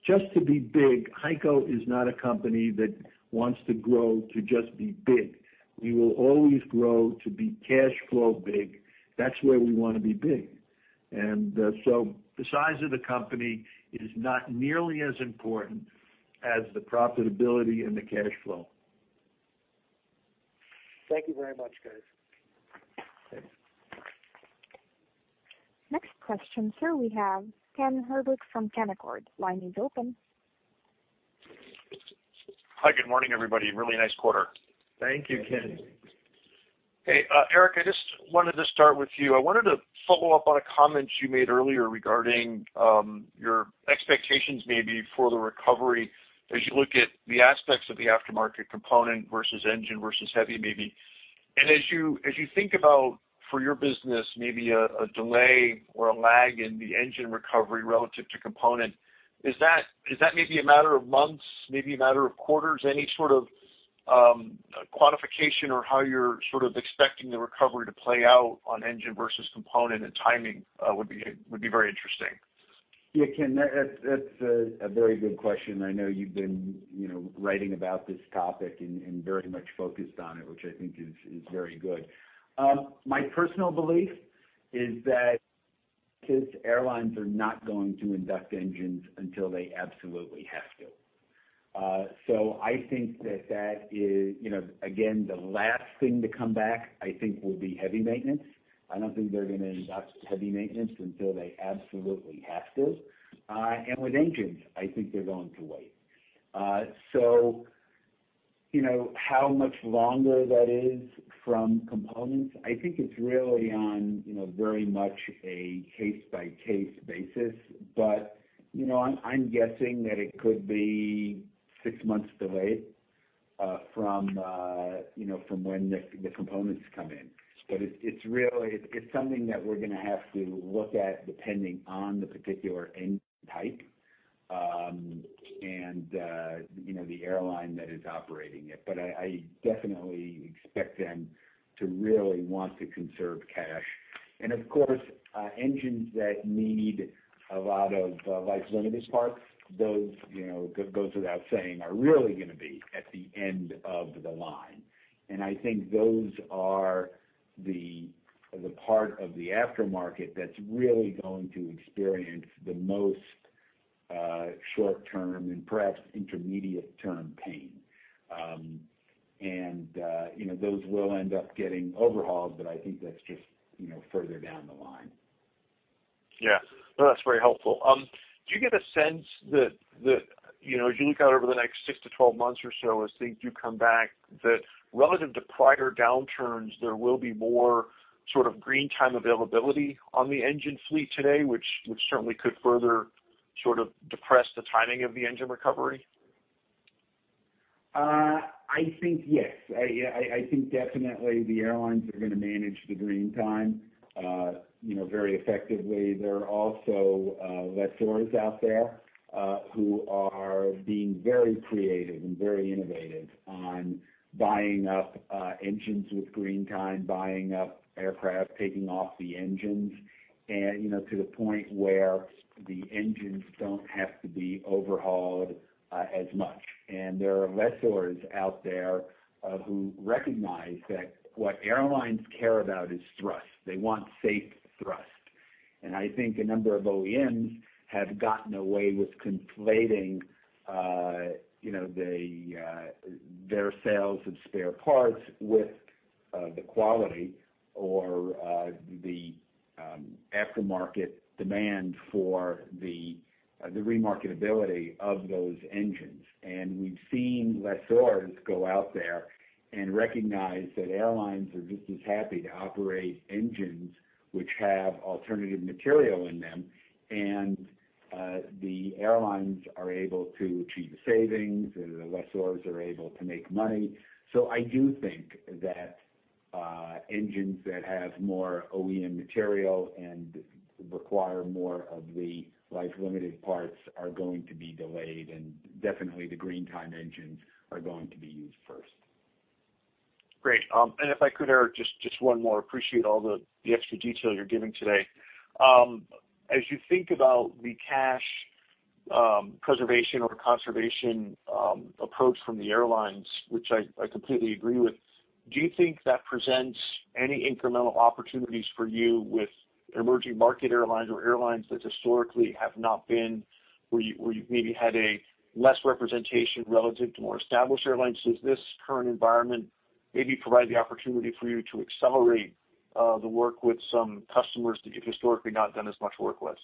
Just to be big, HEICO is not a company that wants to grow to just be big. We will always grow to be cash flow big. That's where we want to be big. The size of the company is not nearly as important as the profitability and the cash flow. Thank you very much, guys. Thanks. Next question, sir, we have Ken Herbert from Canaccord. Line is open. Hi. Good morning, everybody. Really nice quarter. Thank you, Ken. Hey, Eric, I just wanted to start with you. I wanted to follow up on a comment you made earlier regarding your expectations, maybe, for the recovery as you look at the aspects of the aftermarket component versus engine versus heavy, maybe. As you think about, for your business, maybe a delay or a lag in the engine recovery relative to component, is that maybe a matter of months, maybe a matter of quarters? Any sort of quantification or how you're sort of expecting the recovery to play out on engine versus component and timing would be very interesting. Yeah, Ken, that's a very good question. I know you've been writing about this topic and very much focused on it, which I think is very good. My personal belief is that airlines are not going to induct engines until they absolutely have to. I think that that is, again, the last thing to come back, I think, will be heavy maintenance. I don't think they're going to induct heavy maintenance until they absolutely have to. With engines, I think they're going to wait. How much longer that is from components, I think it's really on very much a case-by-case basis. I'm guessing that it could be 6 months delayed from when the components come in. It's something that we're going to have to look at depending on the particular engine type, and the airline that is operating it. I definitely expect them to really want to conserve cash. Of course, engines that need a lot of life-limited parts, those, it goes without saying, are really going to be at the end of the line. I think those are the part of the aftermarket that's really going to experience the most short-term and perhaps intermediate term pain. Those will end up getting overhauled, but I think that's just further down the line. Yeah. No, that's very helpful. Do you get a sense that as you look out over the next six to 12 months or so, as things do come back, that relative to prior downturns, there will be more sort of green time availability on the engine fleet today, which certainly could further sort of depress the timing of the engine recovery? I think yes. I think definitely the airlines are going to manage the green time very effectively. There are also lessors out there who are being very creative and very innovative on buying up engines with green time, buying up aircraft, taking off the engines, to the point where the engines don't have to be overhauled as much. There are lessors out there who recognize that what airlines care about is thrust. They want safe thrust. And I think a number of OEMs have gotten away with conflating their sales of spare parts with the quality or the aftermarket demand for the remarketability of those engines. We've seen lessors go out there and recognize that airlines are just as happy to operate engines which have alternative material in them, and the airlines are able to achieve the savings, and the lessors are able to make money. I do think that engines that have more OEM material and require more of the life-limited parts are going to be delayed, and definitely the green time engines are going to be used first. Great. If I could, Eric, just one more. Appreciate all the extra detail you're giving today. As you think about the cash preservation or conservation approach from the airlines, which I completely agree with, do you think that presents any incremental opportunities for you with emerging market airlines or airlines that historically where you've maybe had a less representation relative to more established airlines? Does this current environment maybe provide the opportunity for you to accelerate the work with some customers that you've historically not done as much work with?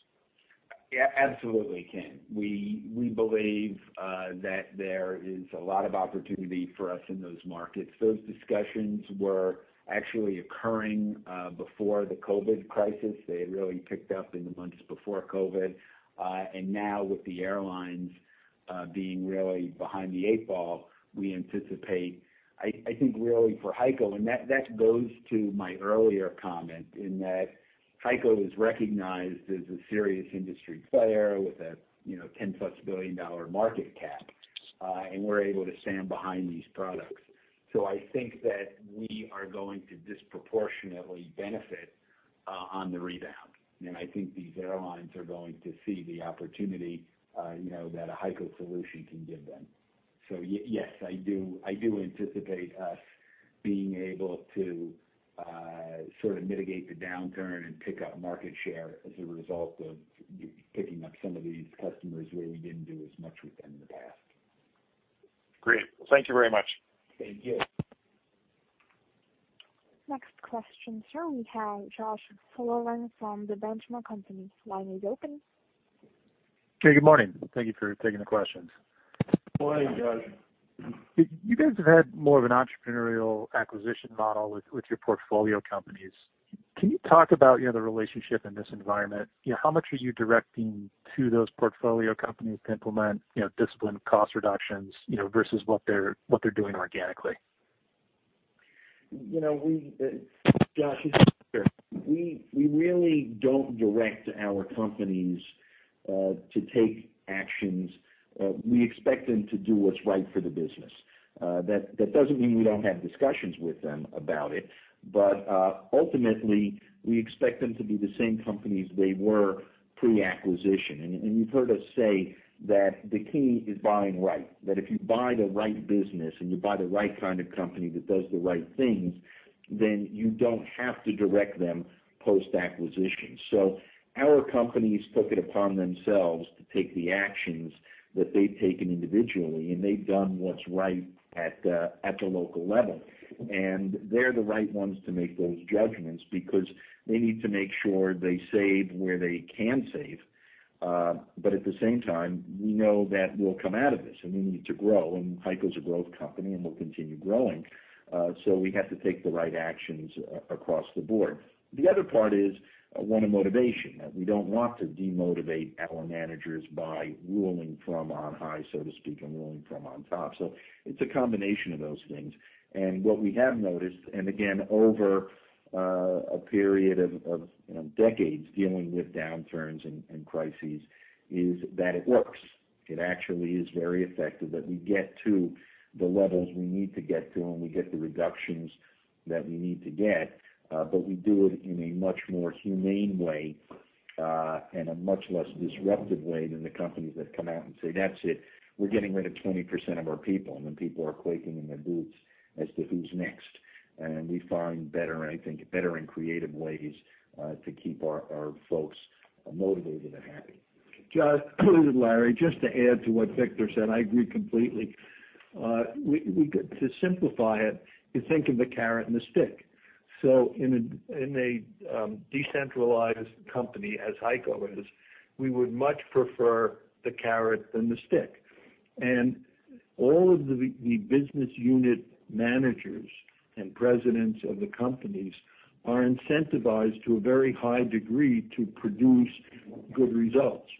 Yeah, absolutely, Ken. We believe that there is a lot of opportunity for us in those markets. Those discussions were actually occurring before the COVID crisis. They had really picked up in the months before COVID. Now with the airlines being really behind the eight ball, we anticipate, I think really for HEICO, and that goes to my earlier comment in that HEICO is recognized as a serious industry player with a $10+ billion market cap, and we're able to stand behind these products. I think that we are going to disproportionately benefit on the rebound, and I think these airlines are going to see the opportunity that a HEICO solution can give them. Yes, I do anticipate us being able to mitigate the downturn and pick up market share as a result of picking up some of these customers where we didn't do as much with them in the past. Great. Thank you very much. Thank you. Next question, sir. We have Josh Sullivan from The Benchmark Company. The line is open. Hey, good morning. Thank you for taking the questions. Morning, Josh. You guys have had more of an entrepreneurial acquisition model with your portfolio companies. Can you talk about the relationship in this environment? How much are you directing to those portfolio companies to implement discipline cost reductions versus what they're doing organically? Josh, it's Victor. We really don't direct our companies to take actions. We expect them to do what's right for the business. That doesn't mean we don't have discussions with them about it. Ultimately, we expect them to be the same companies they were pre-acquisition. You've heard us say that the key is buying right, that if you buy the right business and you buy the right kind of company that does the right things, you don't have to direct them post-acquisition. Our companies took it upon themselves to take the actions that they've taken individually, and they've done what's right at the local level. They're the right ones to make those judgments because they need to make sure they save where they can save. At the same time, we know that we'll come out of this, and we need to grow, and HEICO's a growth company, and we'll continue growing. We have to take the right actions across the board. The other part is one of motivation. We don't want to demotivate our managers by ruling from on high, so to speak, and ruling from on top. It's a combination of those things. What we have noticed, and again, over a period of decades dealing with downturns and crises, is that it works. It actually is very effective, that we get to the levels we need to get to, and we get the reductions that we need to get. We do it in a much more humane way, and a much less disruptive way than the companies that come out and say, "That's it. We're getting rid of 20% of our people. Then people are quaking in their boots as to who's next. We find better and creative ways to keep our folks motivated and happy. Josh, this is Laurans. Just to add to what Victor said, I agree completely. To simplify it, you think of the carrot and the stick. In a decentralized company as HEICO is, we would much prefer the carrot than the stick. All of the business unit managers and presidents of the companies are incentivized to a very high degree to produce good results.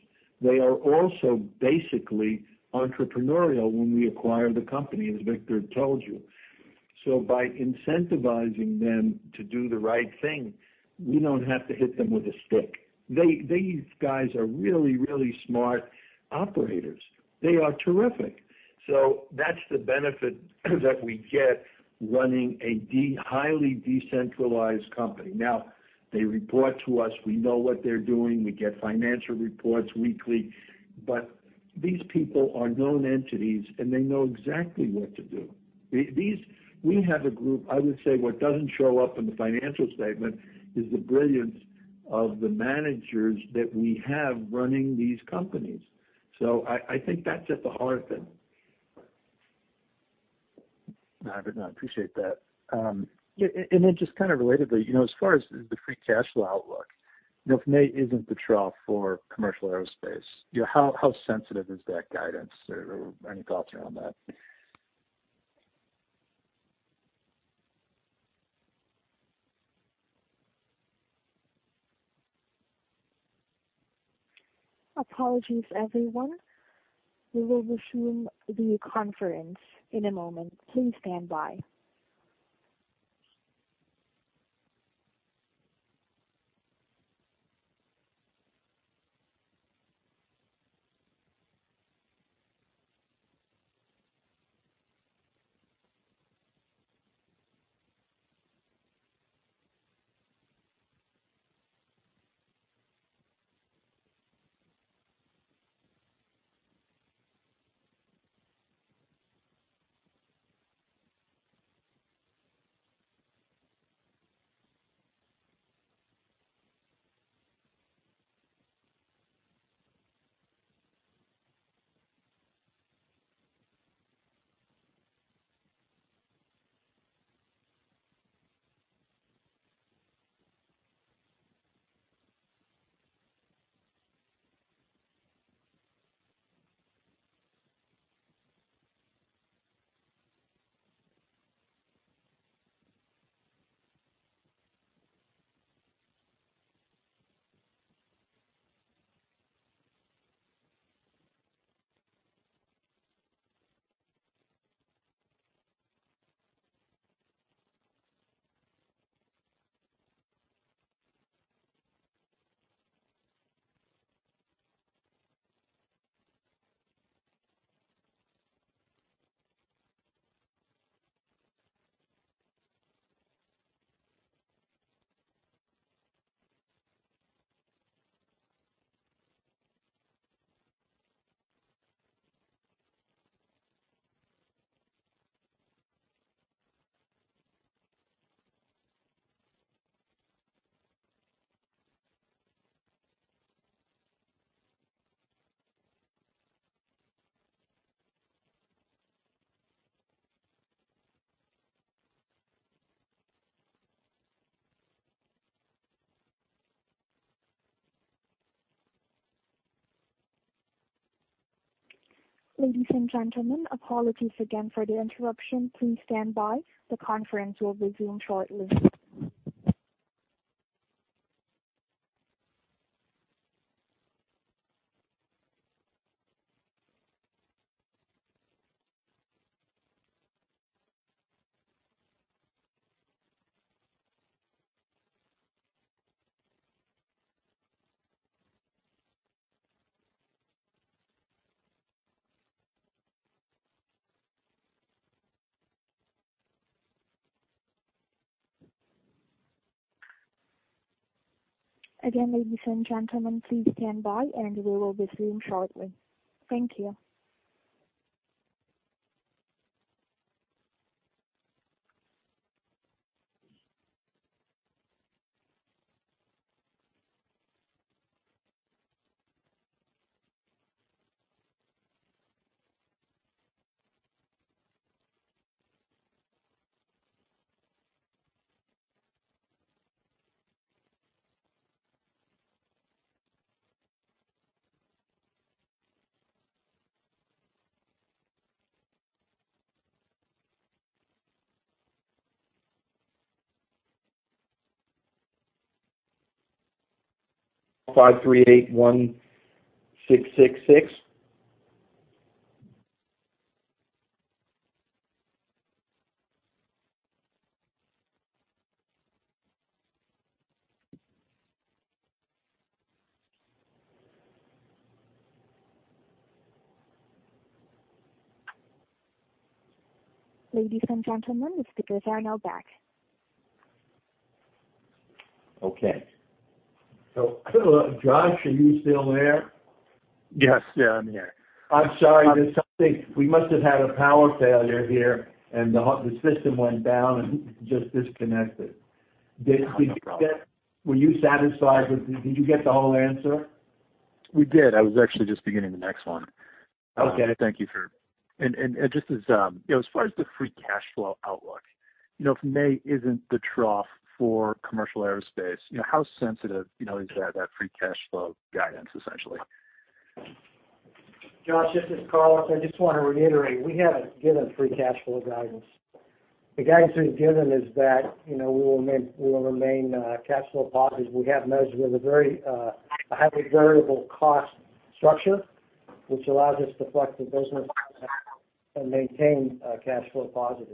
They are also basically entrepreneurial when we acquire the company, as Victor told you. By incentivizing them to do the right thing, we don't have to hit them with a stick. These guys are really smart operators. They are terrific. That's the benefit that we get running a highly decentralized company. Now, they report to us. We know what they're doing. We get financial reports weekly. These people are known entities, and they know exactly what to do. We have a group, I would say, what doesn't show up in the financial statement is the brilliance of the managers that we have running these companies. I think that's at the heart of it. No, I appreciate that. Just kind of relatedly, as far as the free cash flow outlook, if May isn't the trough for commercial aerospace, how sensitive is that guidance or any thoughts around that? Apologies, everyone. We will resume the conference in a moment. Please stand by. Ladies and gentlemen, apologies again for the interruption. Please stand by. The conference will resume shortly. Again, ladies and gentlemen, please stand by, and we will resume shortly. Thank you. 5381666. Ladies and gentlemen, the speakers are now back. Okay. Josh, are you still there? Yes, I'm here. I'm sorry. There's something. We must have had a power failure here, and the system went down and just disconnected. No problem. Did you get the whole answer? We did. I was actually just beginning the next one. Okay. Thank you, sir. Just as far as the free cash flow outlook, if May isn't the trough for commercial aerospace, how sensitive is that free cash flow guidance, essentially? Josh, this is Carlos. I just want to reiterate, we haven't given free cash flow guidance. The guidance we've given is that we will remain cash flow positive. We have measures. We have a highly variable cost structure, which allows us to flex the business and maintain cash flow positive.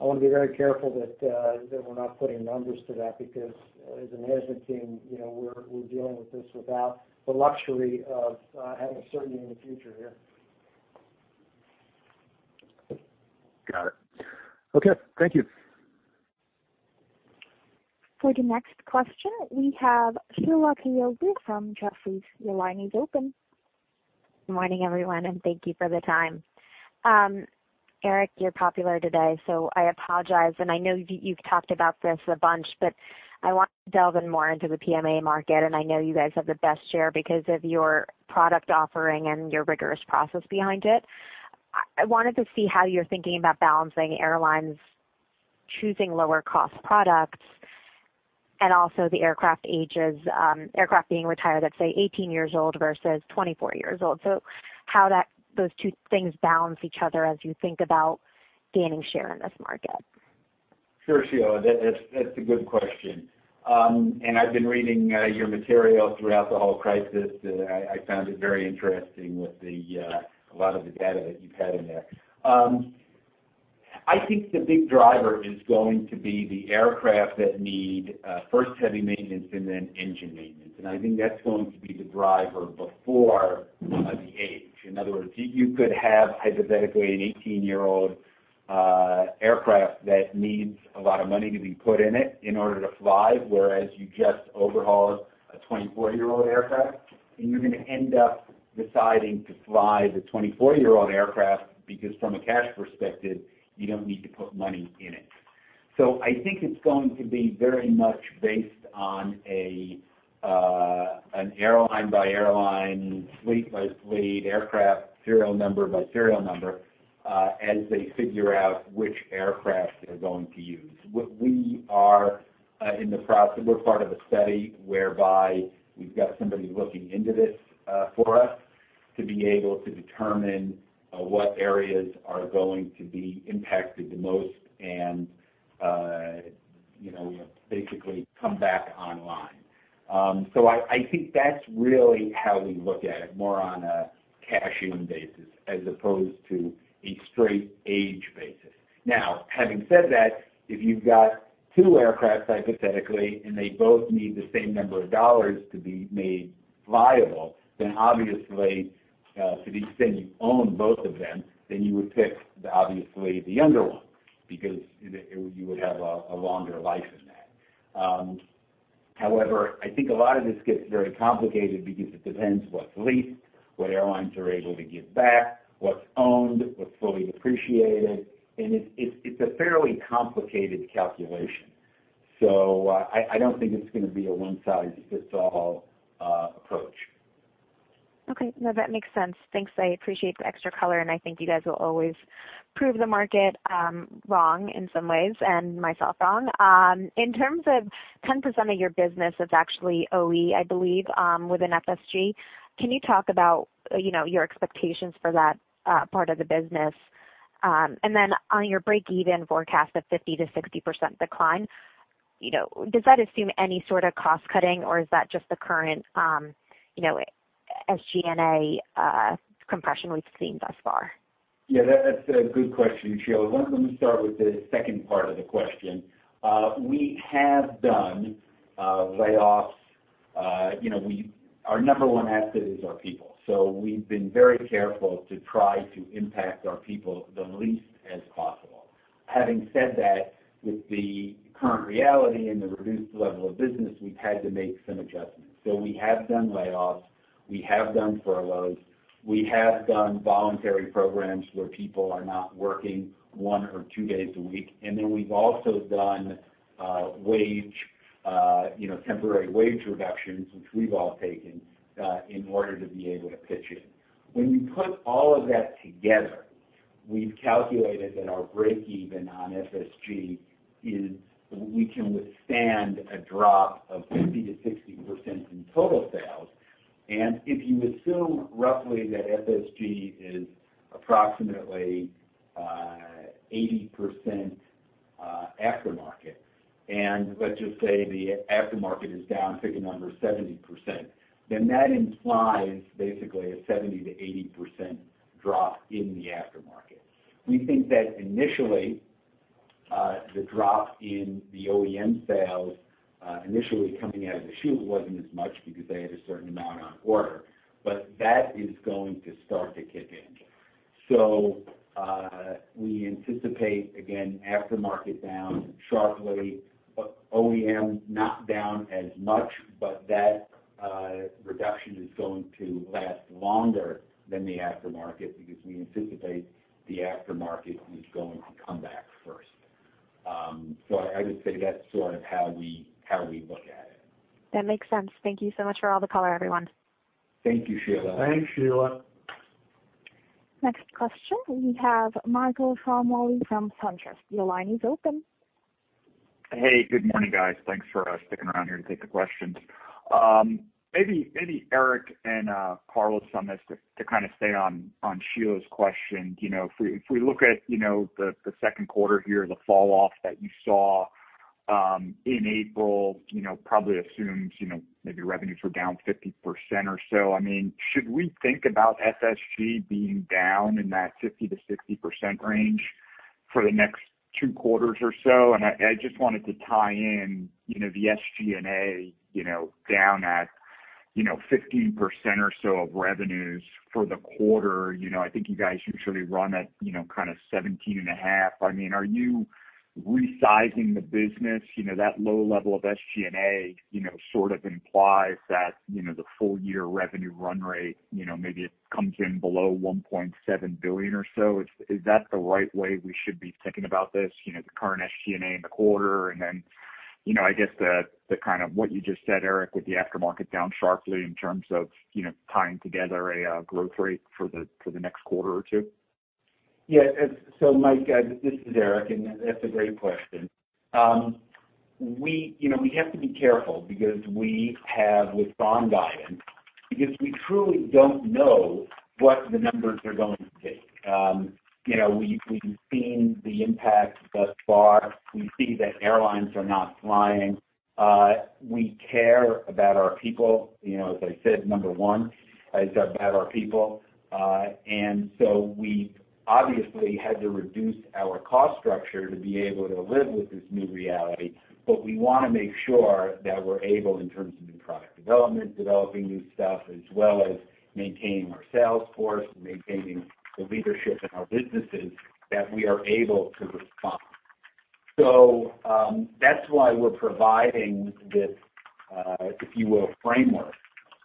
I want to be very careful that we're not putting numbers to that because, as a management team, we're dealing with this without the luxury of having certainty in the future here. Got it. Okay. Thank you. For the next question, we have Sheila Kahyaoglu from Jefferies. Your line is open. Good morning, everyone, and thank you for the time. Eric, you're popular today, so I apologize, and I know you've talked about this a bunch, but I wanted to delve in more into the PMA market, and I know you guys have the best share because of your product offering and your rigorous process behind it. I wanted to see how you're thinking about balancing airlines choosing lower-cost products and also the aircraft ages, aircraft being retired at, say, 18 years old versus 24 years old. How those two things balance each other as you think about gaining share in this market. Sure, Sheila. That's a good question. I've been reading your material throughout the whole crisis. I found it very interesting with a lot of the data that you've had in there. I think the big driver is going to be the aircraft that need first heavy maintenance and then engine maintenance. I think that's going to be the driver before the age. In other words, you could have, hypothetically, an 18-year-old aircraft that needs a lot of money to be put in it in order to fly, whereas you just overhauled a 24-year-old aircraft, and you're going to end up deciding to fly the 24-year-old aircraft because from a cash perspective, you don't need to put money in it. I think it's going to be very much based on an airline-by-airline, fleet-by-fleet, aircraft serial number by serial number, as they figure out which aircraft they're going to use. We're part of a study whereby we've got somebody looking into this for us to be able to determine what areas are going to be impacted the most and basically come back online. I think that's really how we look at it, more on a cash-in basis as opposed to a straight age basis. Now, having said that, if you've got two aircraft, hypothetically, and they both need the same number of dollars to be made viable, then obviously, to the extent you own both of them, then you would pick, obviously, the younger one because you would have a longer life in that. However, I think a lot of this gets very complicated because it depends what's leased, what airlines are able to give back, what's owned, what's fully depreciated, and it's a fairly complicated calculation. I don't think it's going to be a one-size-fits-all approach. Okay. No, that makes sense. Thanks. I appreciate the extra color, and I think you guys will always prove the market wrong in some ways, and myself wrong. In terms of 10% of your business is actually OE, I believe, within FSG. Can you talk about your expectations for that part of the business? Then on your break-even forecast of 50%-60% decline, does that assume any sort of cost-cutting, or is that just the current SG&A compression we've seen thus far? Yeah, that's a good question, Sheila Kahyaoglu. Let me start with the second part of the question. We have done layoffs. Our number one asset is our people, so we've been very careful to try to impact our people the least as possible. Having said that, with the current reality and the reduced level of business, we've had to make some adjustments. We have done layoffs, we have done furloughs, we have done voluntary programs where people are not working one or two days a week, and then we've also done temporary wage reductions, which we've all taken in order to be able to pitch in. When you put all of that together, we've calculated that our break-even on FSG is we can withstand a drop of 50%-60% in total sales. If you assume roughly that FSG is approximately 80% aftermarket, and let's just say the aftermarket is down, pick a number, 70%, that implies basically a 70%-80% drop in the aftermarket. We think that initially, the drop in the OEM sales initially coming out of the chute wasn't as much because they had a certain amount on order. That is going to start to kick in. We anticipate, again, aftermarket down sharply, OEM not down as much, that reduction is going to last longer than the aftermarket because we anticipate the aftermarket is going to come back first. I would say that's sort of how we look at it. That makes sense. Thank you so much for all the color, everyone. Thank you, Sheila. Thanks, Sheila. Next question, we have Michael Ciarmoli with SunTrust. Your line is open. Hey, good morning, guys. Thanks for sticking around here to take the questions. Maybe Eric and Carlos on this to kind of stay on Sheila's question. If we look at the 2nd quarter here, the fall-off that you saw in April probably assumes maybe revenues were down 50% or so. Should we think about FSG being down in that 50%-60% range for the next two quarters or so? I just wanted to tie in the SG&A down at 15% or so of revenues for the quarter. I think you guys usually run at 17.5%. Are you resizing the business? That low level of SG&A, sort of implies that the full year revenue run rate, maybe it comes in below $1.7 billion or so. Is that the right way we should be thinking about this, the current SG&A in the quarter, and then, I guess the kind of what you just said, Eric, with the aftermarket down sharply in terms of tying together a growth rate for the next quarter or two? Mike, this is Eric. That's a great question. We have to be careful because we have with some guidance, because we truly don't know what the numbers are going to be. We've seen the impact thus far. We see that airlines are not flying. We care about our people. As I said, number one is about our people. We obviously had to reduce our cost structure to be able to live with this new reality. We want to make sure that we're able, in terms of new product development, developing new stuff, as well as maintaining our sales force and maintaining the leadership in our businesses, that we are able to respond. That's why we're providing this, if you will, framework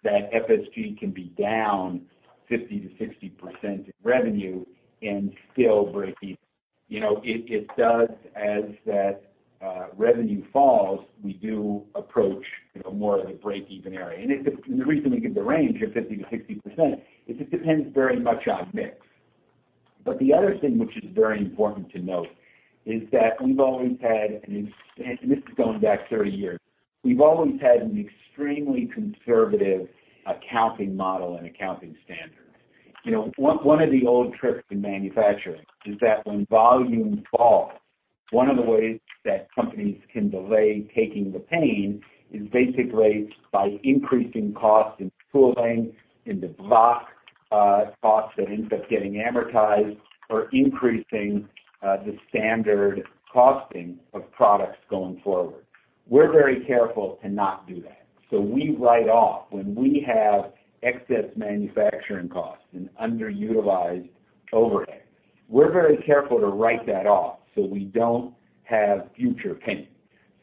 that FSG can be down 50%-60% in revenue and still break even. As that revenue falls, we do approach more of the break-even area. The reason we give the range of 50%-60%, is it depends very much on mix. The other thing which is very important to note is that we've always had, and this is going back 30 years, we've always had an extremely conservative accounting model and accounting standard. One of the old tricks in manufacturing is that when volume falls, one of the ways that companies can delay taking the pain is basically by increasing costs in tooling, in the box costs that ends up getting amortized, or increasing the standard costing of products going forward. We're very careful to not do that. We write off when we have excess manufacturing costs and underutilized overhead. We're very careful to write that off so we don't have future pain.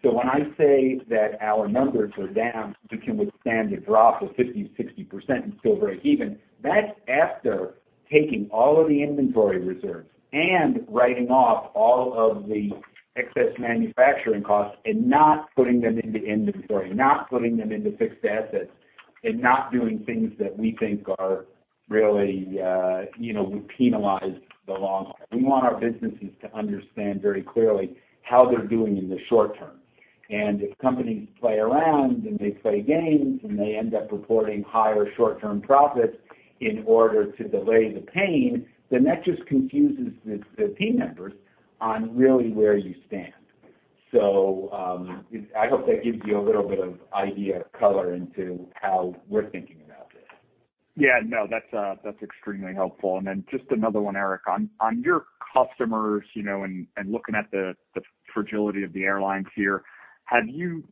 When I say that our numbers are down, we can withstand a drop of 50%, 60% and still break even, that's after taking all of the inventory reserves and writing off all of the excess manufacturing costs and not putting them into inventory, not putting them into fixed assets, and not doing things that we think would penalize the long term. We want our businesses to understand very clearly how they're doing in the short term. If companies play around and they play games and they end up reporting higher short-term profits in order to delay the pain, then that just confuses the team members on really where you stand. I hope that gives you a little bit of idea, color into how we're thinking about this. Yeah. No, that's extremely helpful. Just another one, Eric. On your customers, looking at the fragility of the airlines here, have you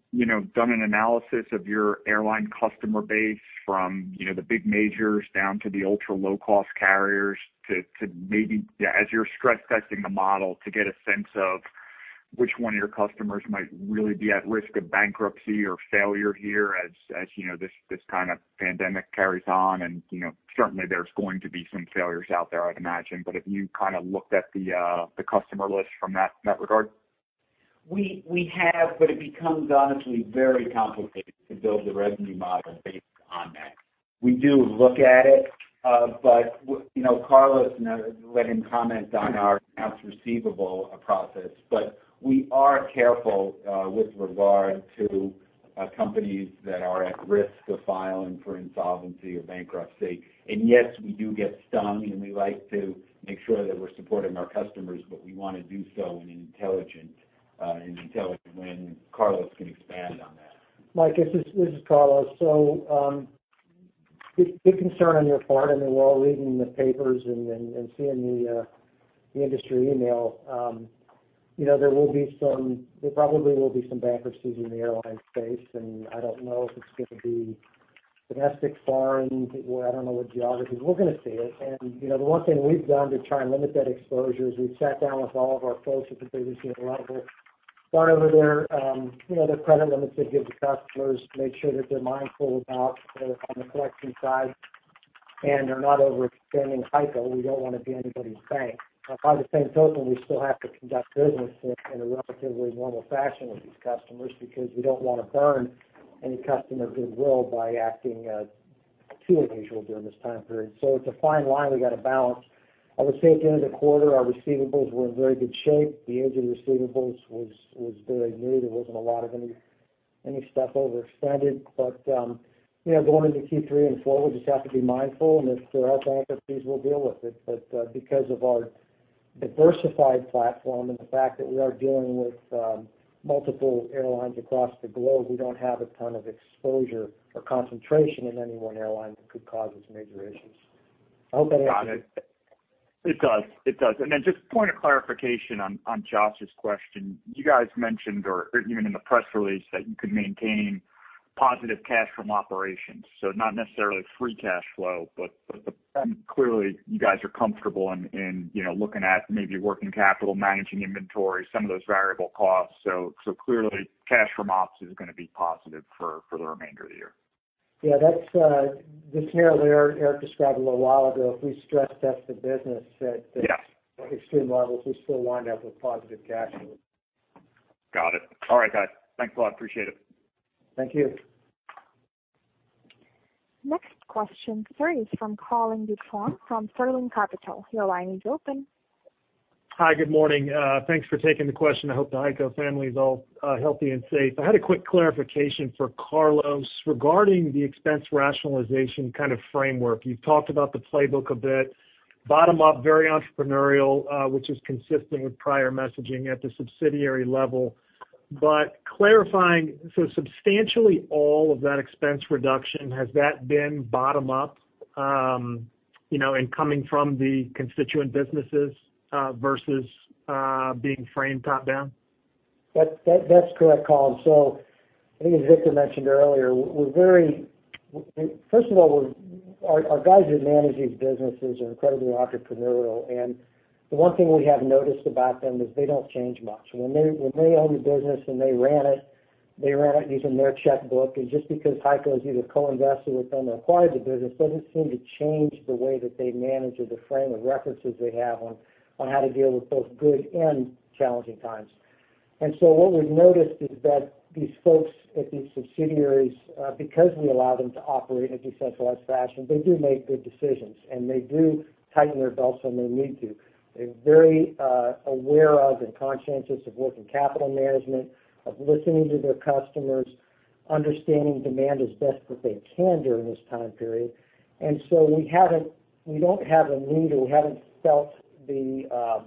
done an analysis of your airline customer base from the big majors down to the ultra-low-cost carriers to maybe, as you're stress testing the model, to get a sense of which one of your customers might really be at risk of bankruptcy or failure here as this kind of pandemic carries on and certainly there's going to be some failures out there, I'd imagine? Have you looked at the customer list from that regard? We have, but it becomes honestly very complicated to build a revenue model based on that. We do look at it. Carlos, and I'll let him comment on our accounts receivable process, but we are careful with regard to companies that are at risk of filing for insolvency or bankruptcy. Yes, we do get stung, and we like to make sure that we're supporting our customers, but we want to do so in an intelligent way. Carlos can expand on that. Mike, this is Carlos. Good concern on your part. I mean, we're all reading in the papers and seeing the industry email. There probably will be some bankruptcies in the airline space, and I don't know if it's going to be domestic, foreign. I don't know what geographies. We're going to see it. The one thing we've done to try and limit that exposure is we've sat down with all of our folks at the business unit level, gone over their credit limits they give to customers, made sure that they're mindful about on the collection side, and they're not overextending HEICO. We don't want to be anybody's bank. By the same token, we still have to conduct business in a relatively normal fashion with these customers because we don't want to burn any customer goodwill by acting too unusual during this time period. It's a fine line we got to balance. I would say at the end of the quarter, our receivables were in very good shape. The age of receivables was very new. There wasn't a lot of any stuff overextended. Going into Q3 and four, we just have to be mindful, and if there are bankruptcies, we'll deal with it. Because of our diversified platform and the fact that we are dealing with multiple airlines across the globe, we don't have a ton of exposure or concentration in any one airline that could cause us major issues. I hope that answers. Got it. It does. Just a point of clarification on Josh's question. You guys mentioned, or even in the press release, that you could maintain positive cash from operations. Not necessarily free cash flow, but clearly you guys are comfortable in looking at maybe working capital, managing inventory, some of those variable costs. Clearly cash from ops is going to be positive for the remainder of the year. Yeah. This here, Laurans described a little while ago, if we stress-test the business at Yeah extreme levels, we still wind up with positive cash flow. Got it. All right, guys. Thanks a lot. Appreciate it. Thank you. Next question, sorry, is from Colin Ducharme from Sterling Capital. Your line is open. Hi. Good morning. Thanks for taking the question. I hope the HEICO family is all healthy and safe. I had a quick clarification for Carlos regarding the expense rationalization kind of framework. You've talked about the playbook a bit. Bottom up, very entrepreneurial, which is consistent with prior messaging at the subsidiary level. Clarifying, substantially all of that expense reduction, has that been bottom up and coming from the constituent businesses versus being framed top down? That's correct, Colin. I think as Victor mentioned earlier, first of all, our guys who manage these businesses are incredibly entrepreneurial, and the one thing we have noticed about them is they don't change much. When they own the business and they ran it, they ran it using their checkbook. Just because HEICO has either co-invested with them or acquired the business, doesn't seem to change the way that they manage or the frame of references they have on how to deal with both good and challenging times. What we've noticed is that these folks at these subsidiaries, because we allow them to operate in a decentralized fashion, they do make good decisions, and they do tighten their belts when they need to. They're very aware of and conscientious of working capital management, of listening to their customers, understanding demand as best that they can during this time period. We don't have a need or we haven't felt it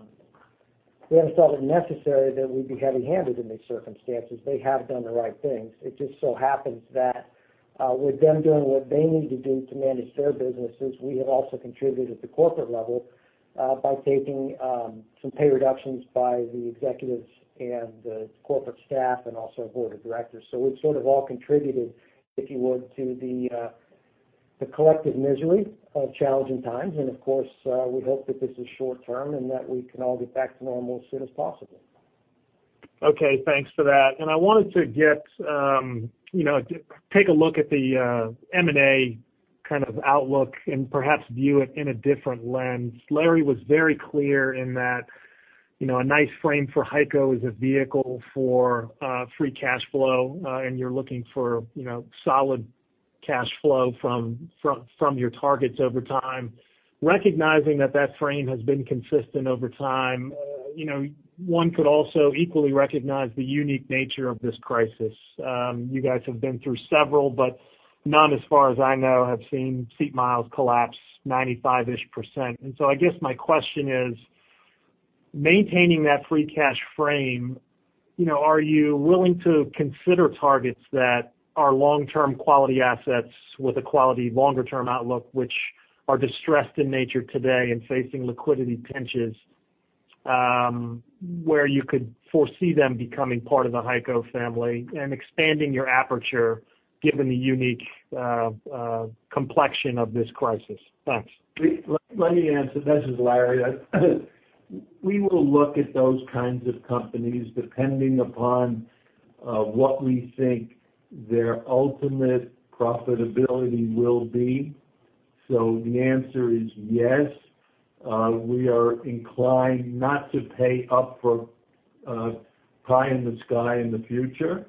necessary that we be heavy-handed in these circumstances. They have done the right things. It just so happens that with them doing what they need to do to manage their businesses, we have also contributed at the corporate level by taking some pay reductions by the executives and the corporate staff and also board of directors. We've sort of all contributed, if you would, to the collective misery of challenging times. Of course, we hope that this is short term and that we can all get back to normal as soon as possible. I wanted to take a look at the M&A kind of outlook and perhaps view it in a different lens. Laurans was very clear in that a nice frame for HEICO is a vehicle for free cash flow, and you're looking for solid cash flow from your targets over time. Recognizing that that frame has been consistent over time, one could also equally recognize the unique nature of this crisis. You guys have been through several, but none as far as I know, have seen seat miles collapse 95%-ish. I guess my question is maintaining that free cash frame, are you willing to consider targets that are long-term quality assets with a quality longer-term outlook, which are distressed in nature today and facing liquidity pinches, where you could foresee them becoming part of the HEICO family and expanding your aperture given the unique complexion of this crisis? Thanks. Let me answer. This is Laurans. We will look at those kinds of companies depending upon what we think their ultimate profitability will be. The answer is yes. We are inclined not to pay up for pie in the sky in the future.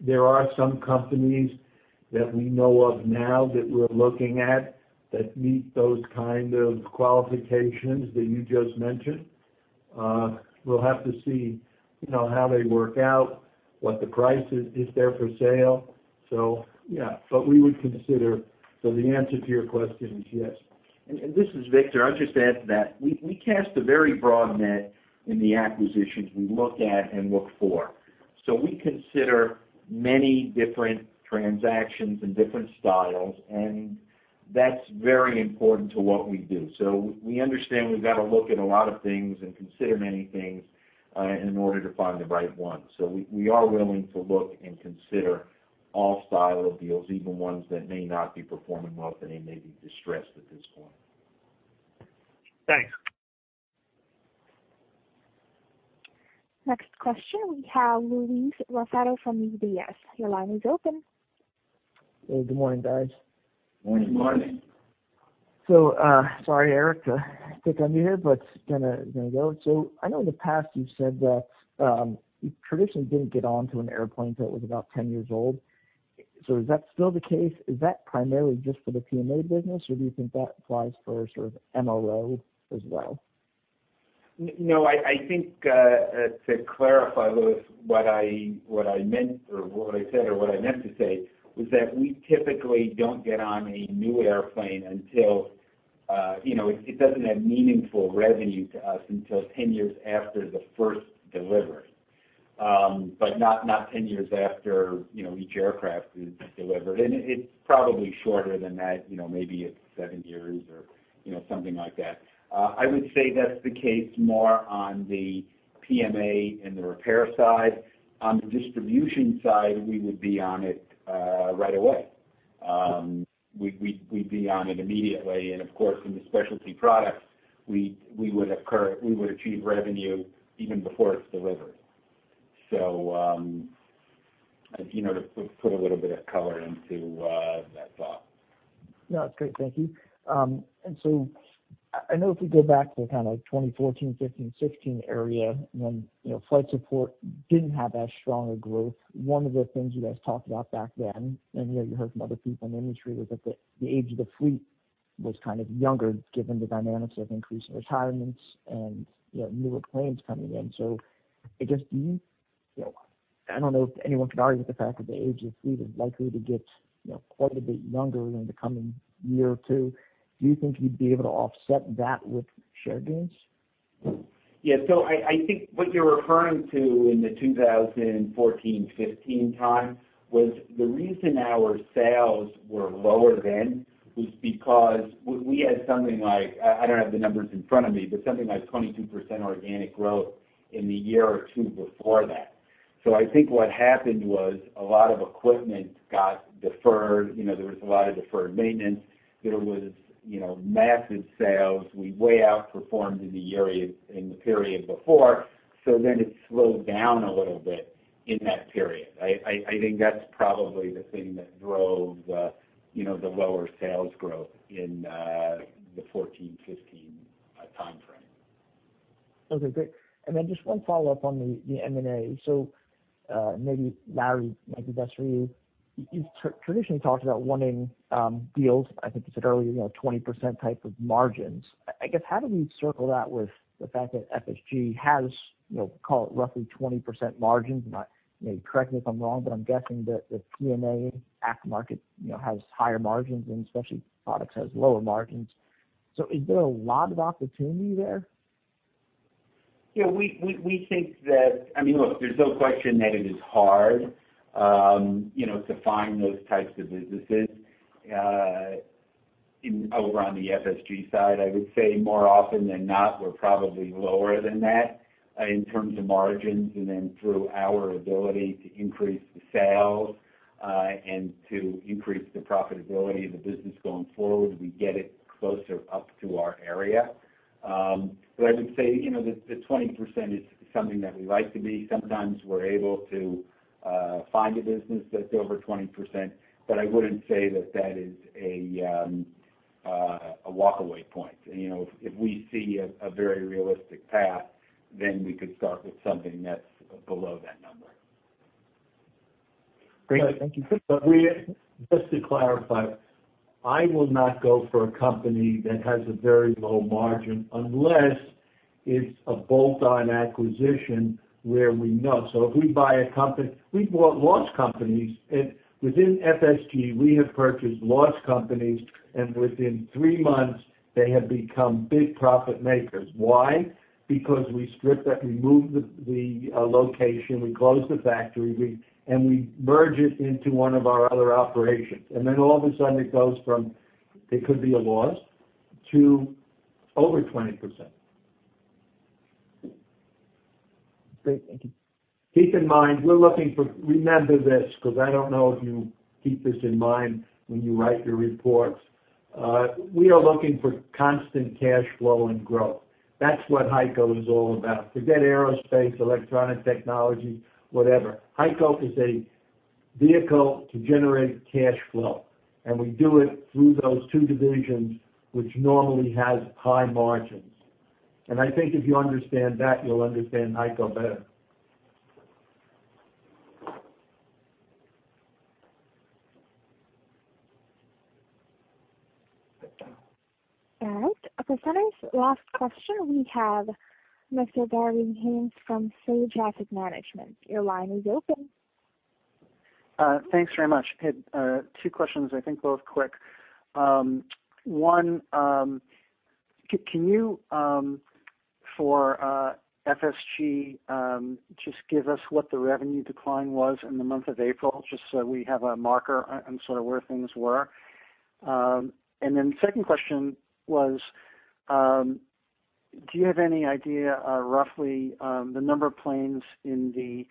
There are some companies that we know of now that we're looking at that meet those kind of qualifications that you just mentioned. We'll have to see how they work out, what the price is, if they're for sale. Yeah. We would consider. The answer to your question is yes. This is Victor. I'll just add to that. We cast a very broad net in the acquisitions we look at and look for. We consider many different transactions and different styles, and that's very important to what we do. We understand we've got to look at a lot of things and consider many things in order to find the right one. We are willing to look and consider all style of deals, even ones that may not be performing well and they may be distressed at this point. Thanks. Next question, we have Louis Raffetto from UBS. Your line is open. Hey, good morning, guys. Morning. Morning. Sorry, Eric, to take time here, but going to go. I know in the past you've said that you traditionally didn't get onto an airplane until it was about 10 years old. Is that still the case? Is that primarily just for the PMA business, or do you think that applies for sort of MRO as well? No. I think, to clarify, Louis, what I said or what I meant to say was that we typically don't get on a new airplane until it doesn't add meaningful revenue to us until 10 years after the first delivery. Not 10 years after each aircraft is delivered. It's probably shorter than that, maybe it's seven years or something like that. I would say that's the case more on the PMA and the repair side. On the distribution side, we would be on it right away. We'd be on it immediately, and of course, in the specialty products, we would achieve revenue even before it's delivered. To put a little bit of color into that thought. No, that's great. Thank you. I know if we go back to kind of 2014, 2015, 2016 area, when Flight Support didn't have as strong a growth, one of the things you guys talked about back then, and you heard from other people in the industry, was that the age of the fleet was kind of younger given the dynamics of increasing retirements and newer planes coming in. I guess, I don't know if anyone could argue with the fact that the age of fleet is likely to get quite a bit younger in the coming year or two. Do you think you'd be able to offset that with share gains? Yeah. I think what you're referring to in the 2014, 2015 time, was the reason our sales were lower then was because we had something like, I don't have the numbers in front of me, but something like 22% organic growth in the year or two before that. I think what happened was a lot of equipment got deferred. There was a lot of deferred maintenance. There was massive sales. We way outperformed in the period before, so then it slowed down a little bit in that period. I think that's probably the thing that drove the lower sales growth in the 2014, 2015 timeframe. Okay, great. Then just one follow-up on the M&A. Maybe Laurans, might be best for you. You've traditionally talked about wanting deals, I think you said earlier, 20% type of margins. I guess, how do we circle that with the fact that FSG has, call it, roughly 20% margins? Maybe correct me if I'm wrong, but I'm guessing that the PMA after-market has higher margins, and specialty products has lower margins. Is there a lot of opportunity there? Yeah. Look, there's no question that it is hard to find those types of businesses. Over on the FSG side, I would say more often than not, we're probably lower than that in terms of margins, and then through our ability to increase the sales, and to increase the profitability of the business going forward, we get it closer up to our area. I would say, the 20% is something that we like to be. Sometimes we're able to find a business that's over 20%, but I wouldn't say that that is a walk-away point. If we see a very realistic path, then we could start with something that's below that number. Great. Thank you. [Louis], just to clarify, I will not go for a company that has a very low margin unless it's a bolt-on acquisition where we know. We've bought loss companies, and within FSG, we have purchased loss companies, and within three months they have become big profit makers. Why? Because we strip it, we move the location, we close the factory, and we merge it into one of our other operations. All of a sudden it goes from, it could be a loss, to over 20%. Great. Thank you. Keep in mind, remember this, because I don't know if you keep this in mind when you write your reports. We are looking for constant cash flow and growth. That's what HEICO is all about. Forget aerospace, Electronic Technologies, whatever. HEICO is a vehicle to generate cash flow, and we do it through those two divisions, which normally has high margins. I think if you understand that, you'll understand HEICO better. All right. Our presenter's last question we have Mr. Barry Higgins from Sage Asset Management. Your line is open. Thanks very much. Two questions, I think both quick. One, can you, for FSG, just give us what the revenue decline was in the month of April, just so we have a marker on sort of where things were? Second question was, do you have any idea roughly the number of planes in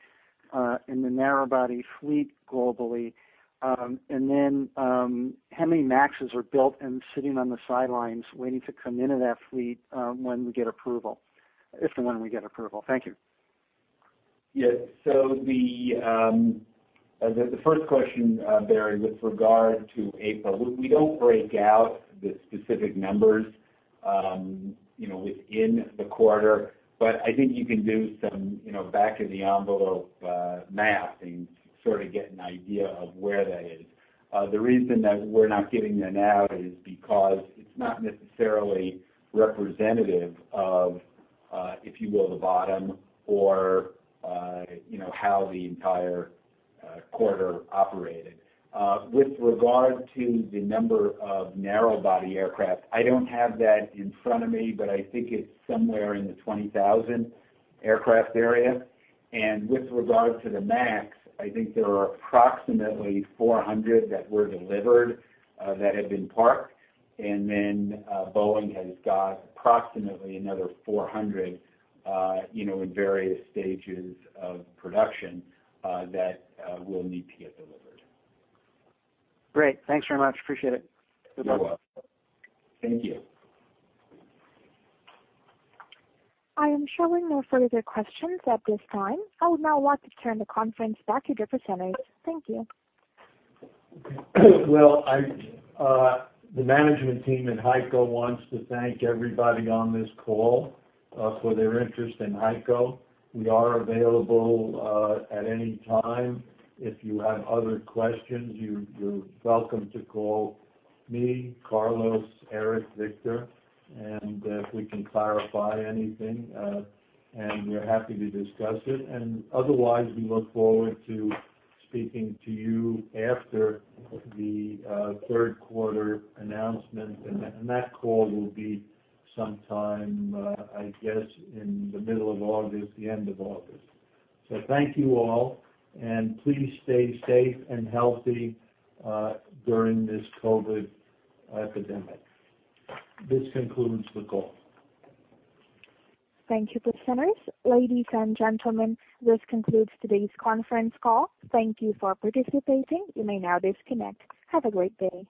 the narrow body fleet globally, and then how many MAXs are built and sitting on the sidelines waiting to come into that fleet when we get approval, if and when we get approval? Thank you. The first question, Barry, with regard to April, we don't break out the specific numbers within the quarter. I think you can do some back of the envelope math and sort of get an idea of where that is. The reason that we're not giving that out is because it's not necessarily representative of, if you will, the bottom, or how the entire quarter operated. With regard to the number of narrow body aircraft, I don't have that in front of me, I think it's somewhere in the 20,000 aircraft area. With regard to the MAX, I think there are approximately 400 that were delivered that have been parked. Boeing has got approximately another 400 in various stages of production that will need to get delivered. Great. Thanks very much. Appreciate it. You're welcome. Thank you. I am showing no further questions at this time. I would now like to turn the conference back to the presenters. Thank you. The management team at HEICO wants to thank everybody on this call for their interest in HEICO. We are available at any time. If you have other questions, you're welcome to call me, Carlos, Eric, Victor, if we can clarify anything, we're happy to discuss it. Otherwise, we look forward to speaking to you after the third quarter announcement, that call will be sometime in the middle of August, the end of August. Thank you all, and please stay safe and healthy during this COVID epidemic. This concludes the call. Thank you, presenters. Ladies and gentlemen, this concludes today's conference call. Thank you for participating. You may now disconnect. Have a great day.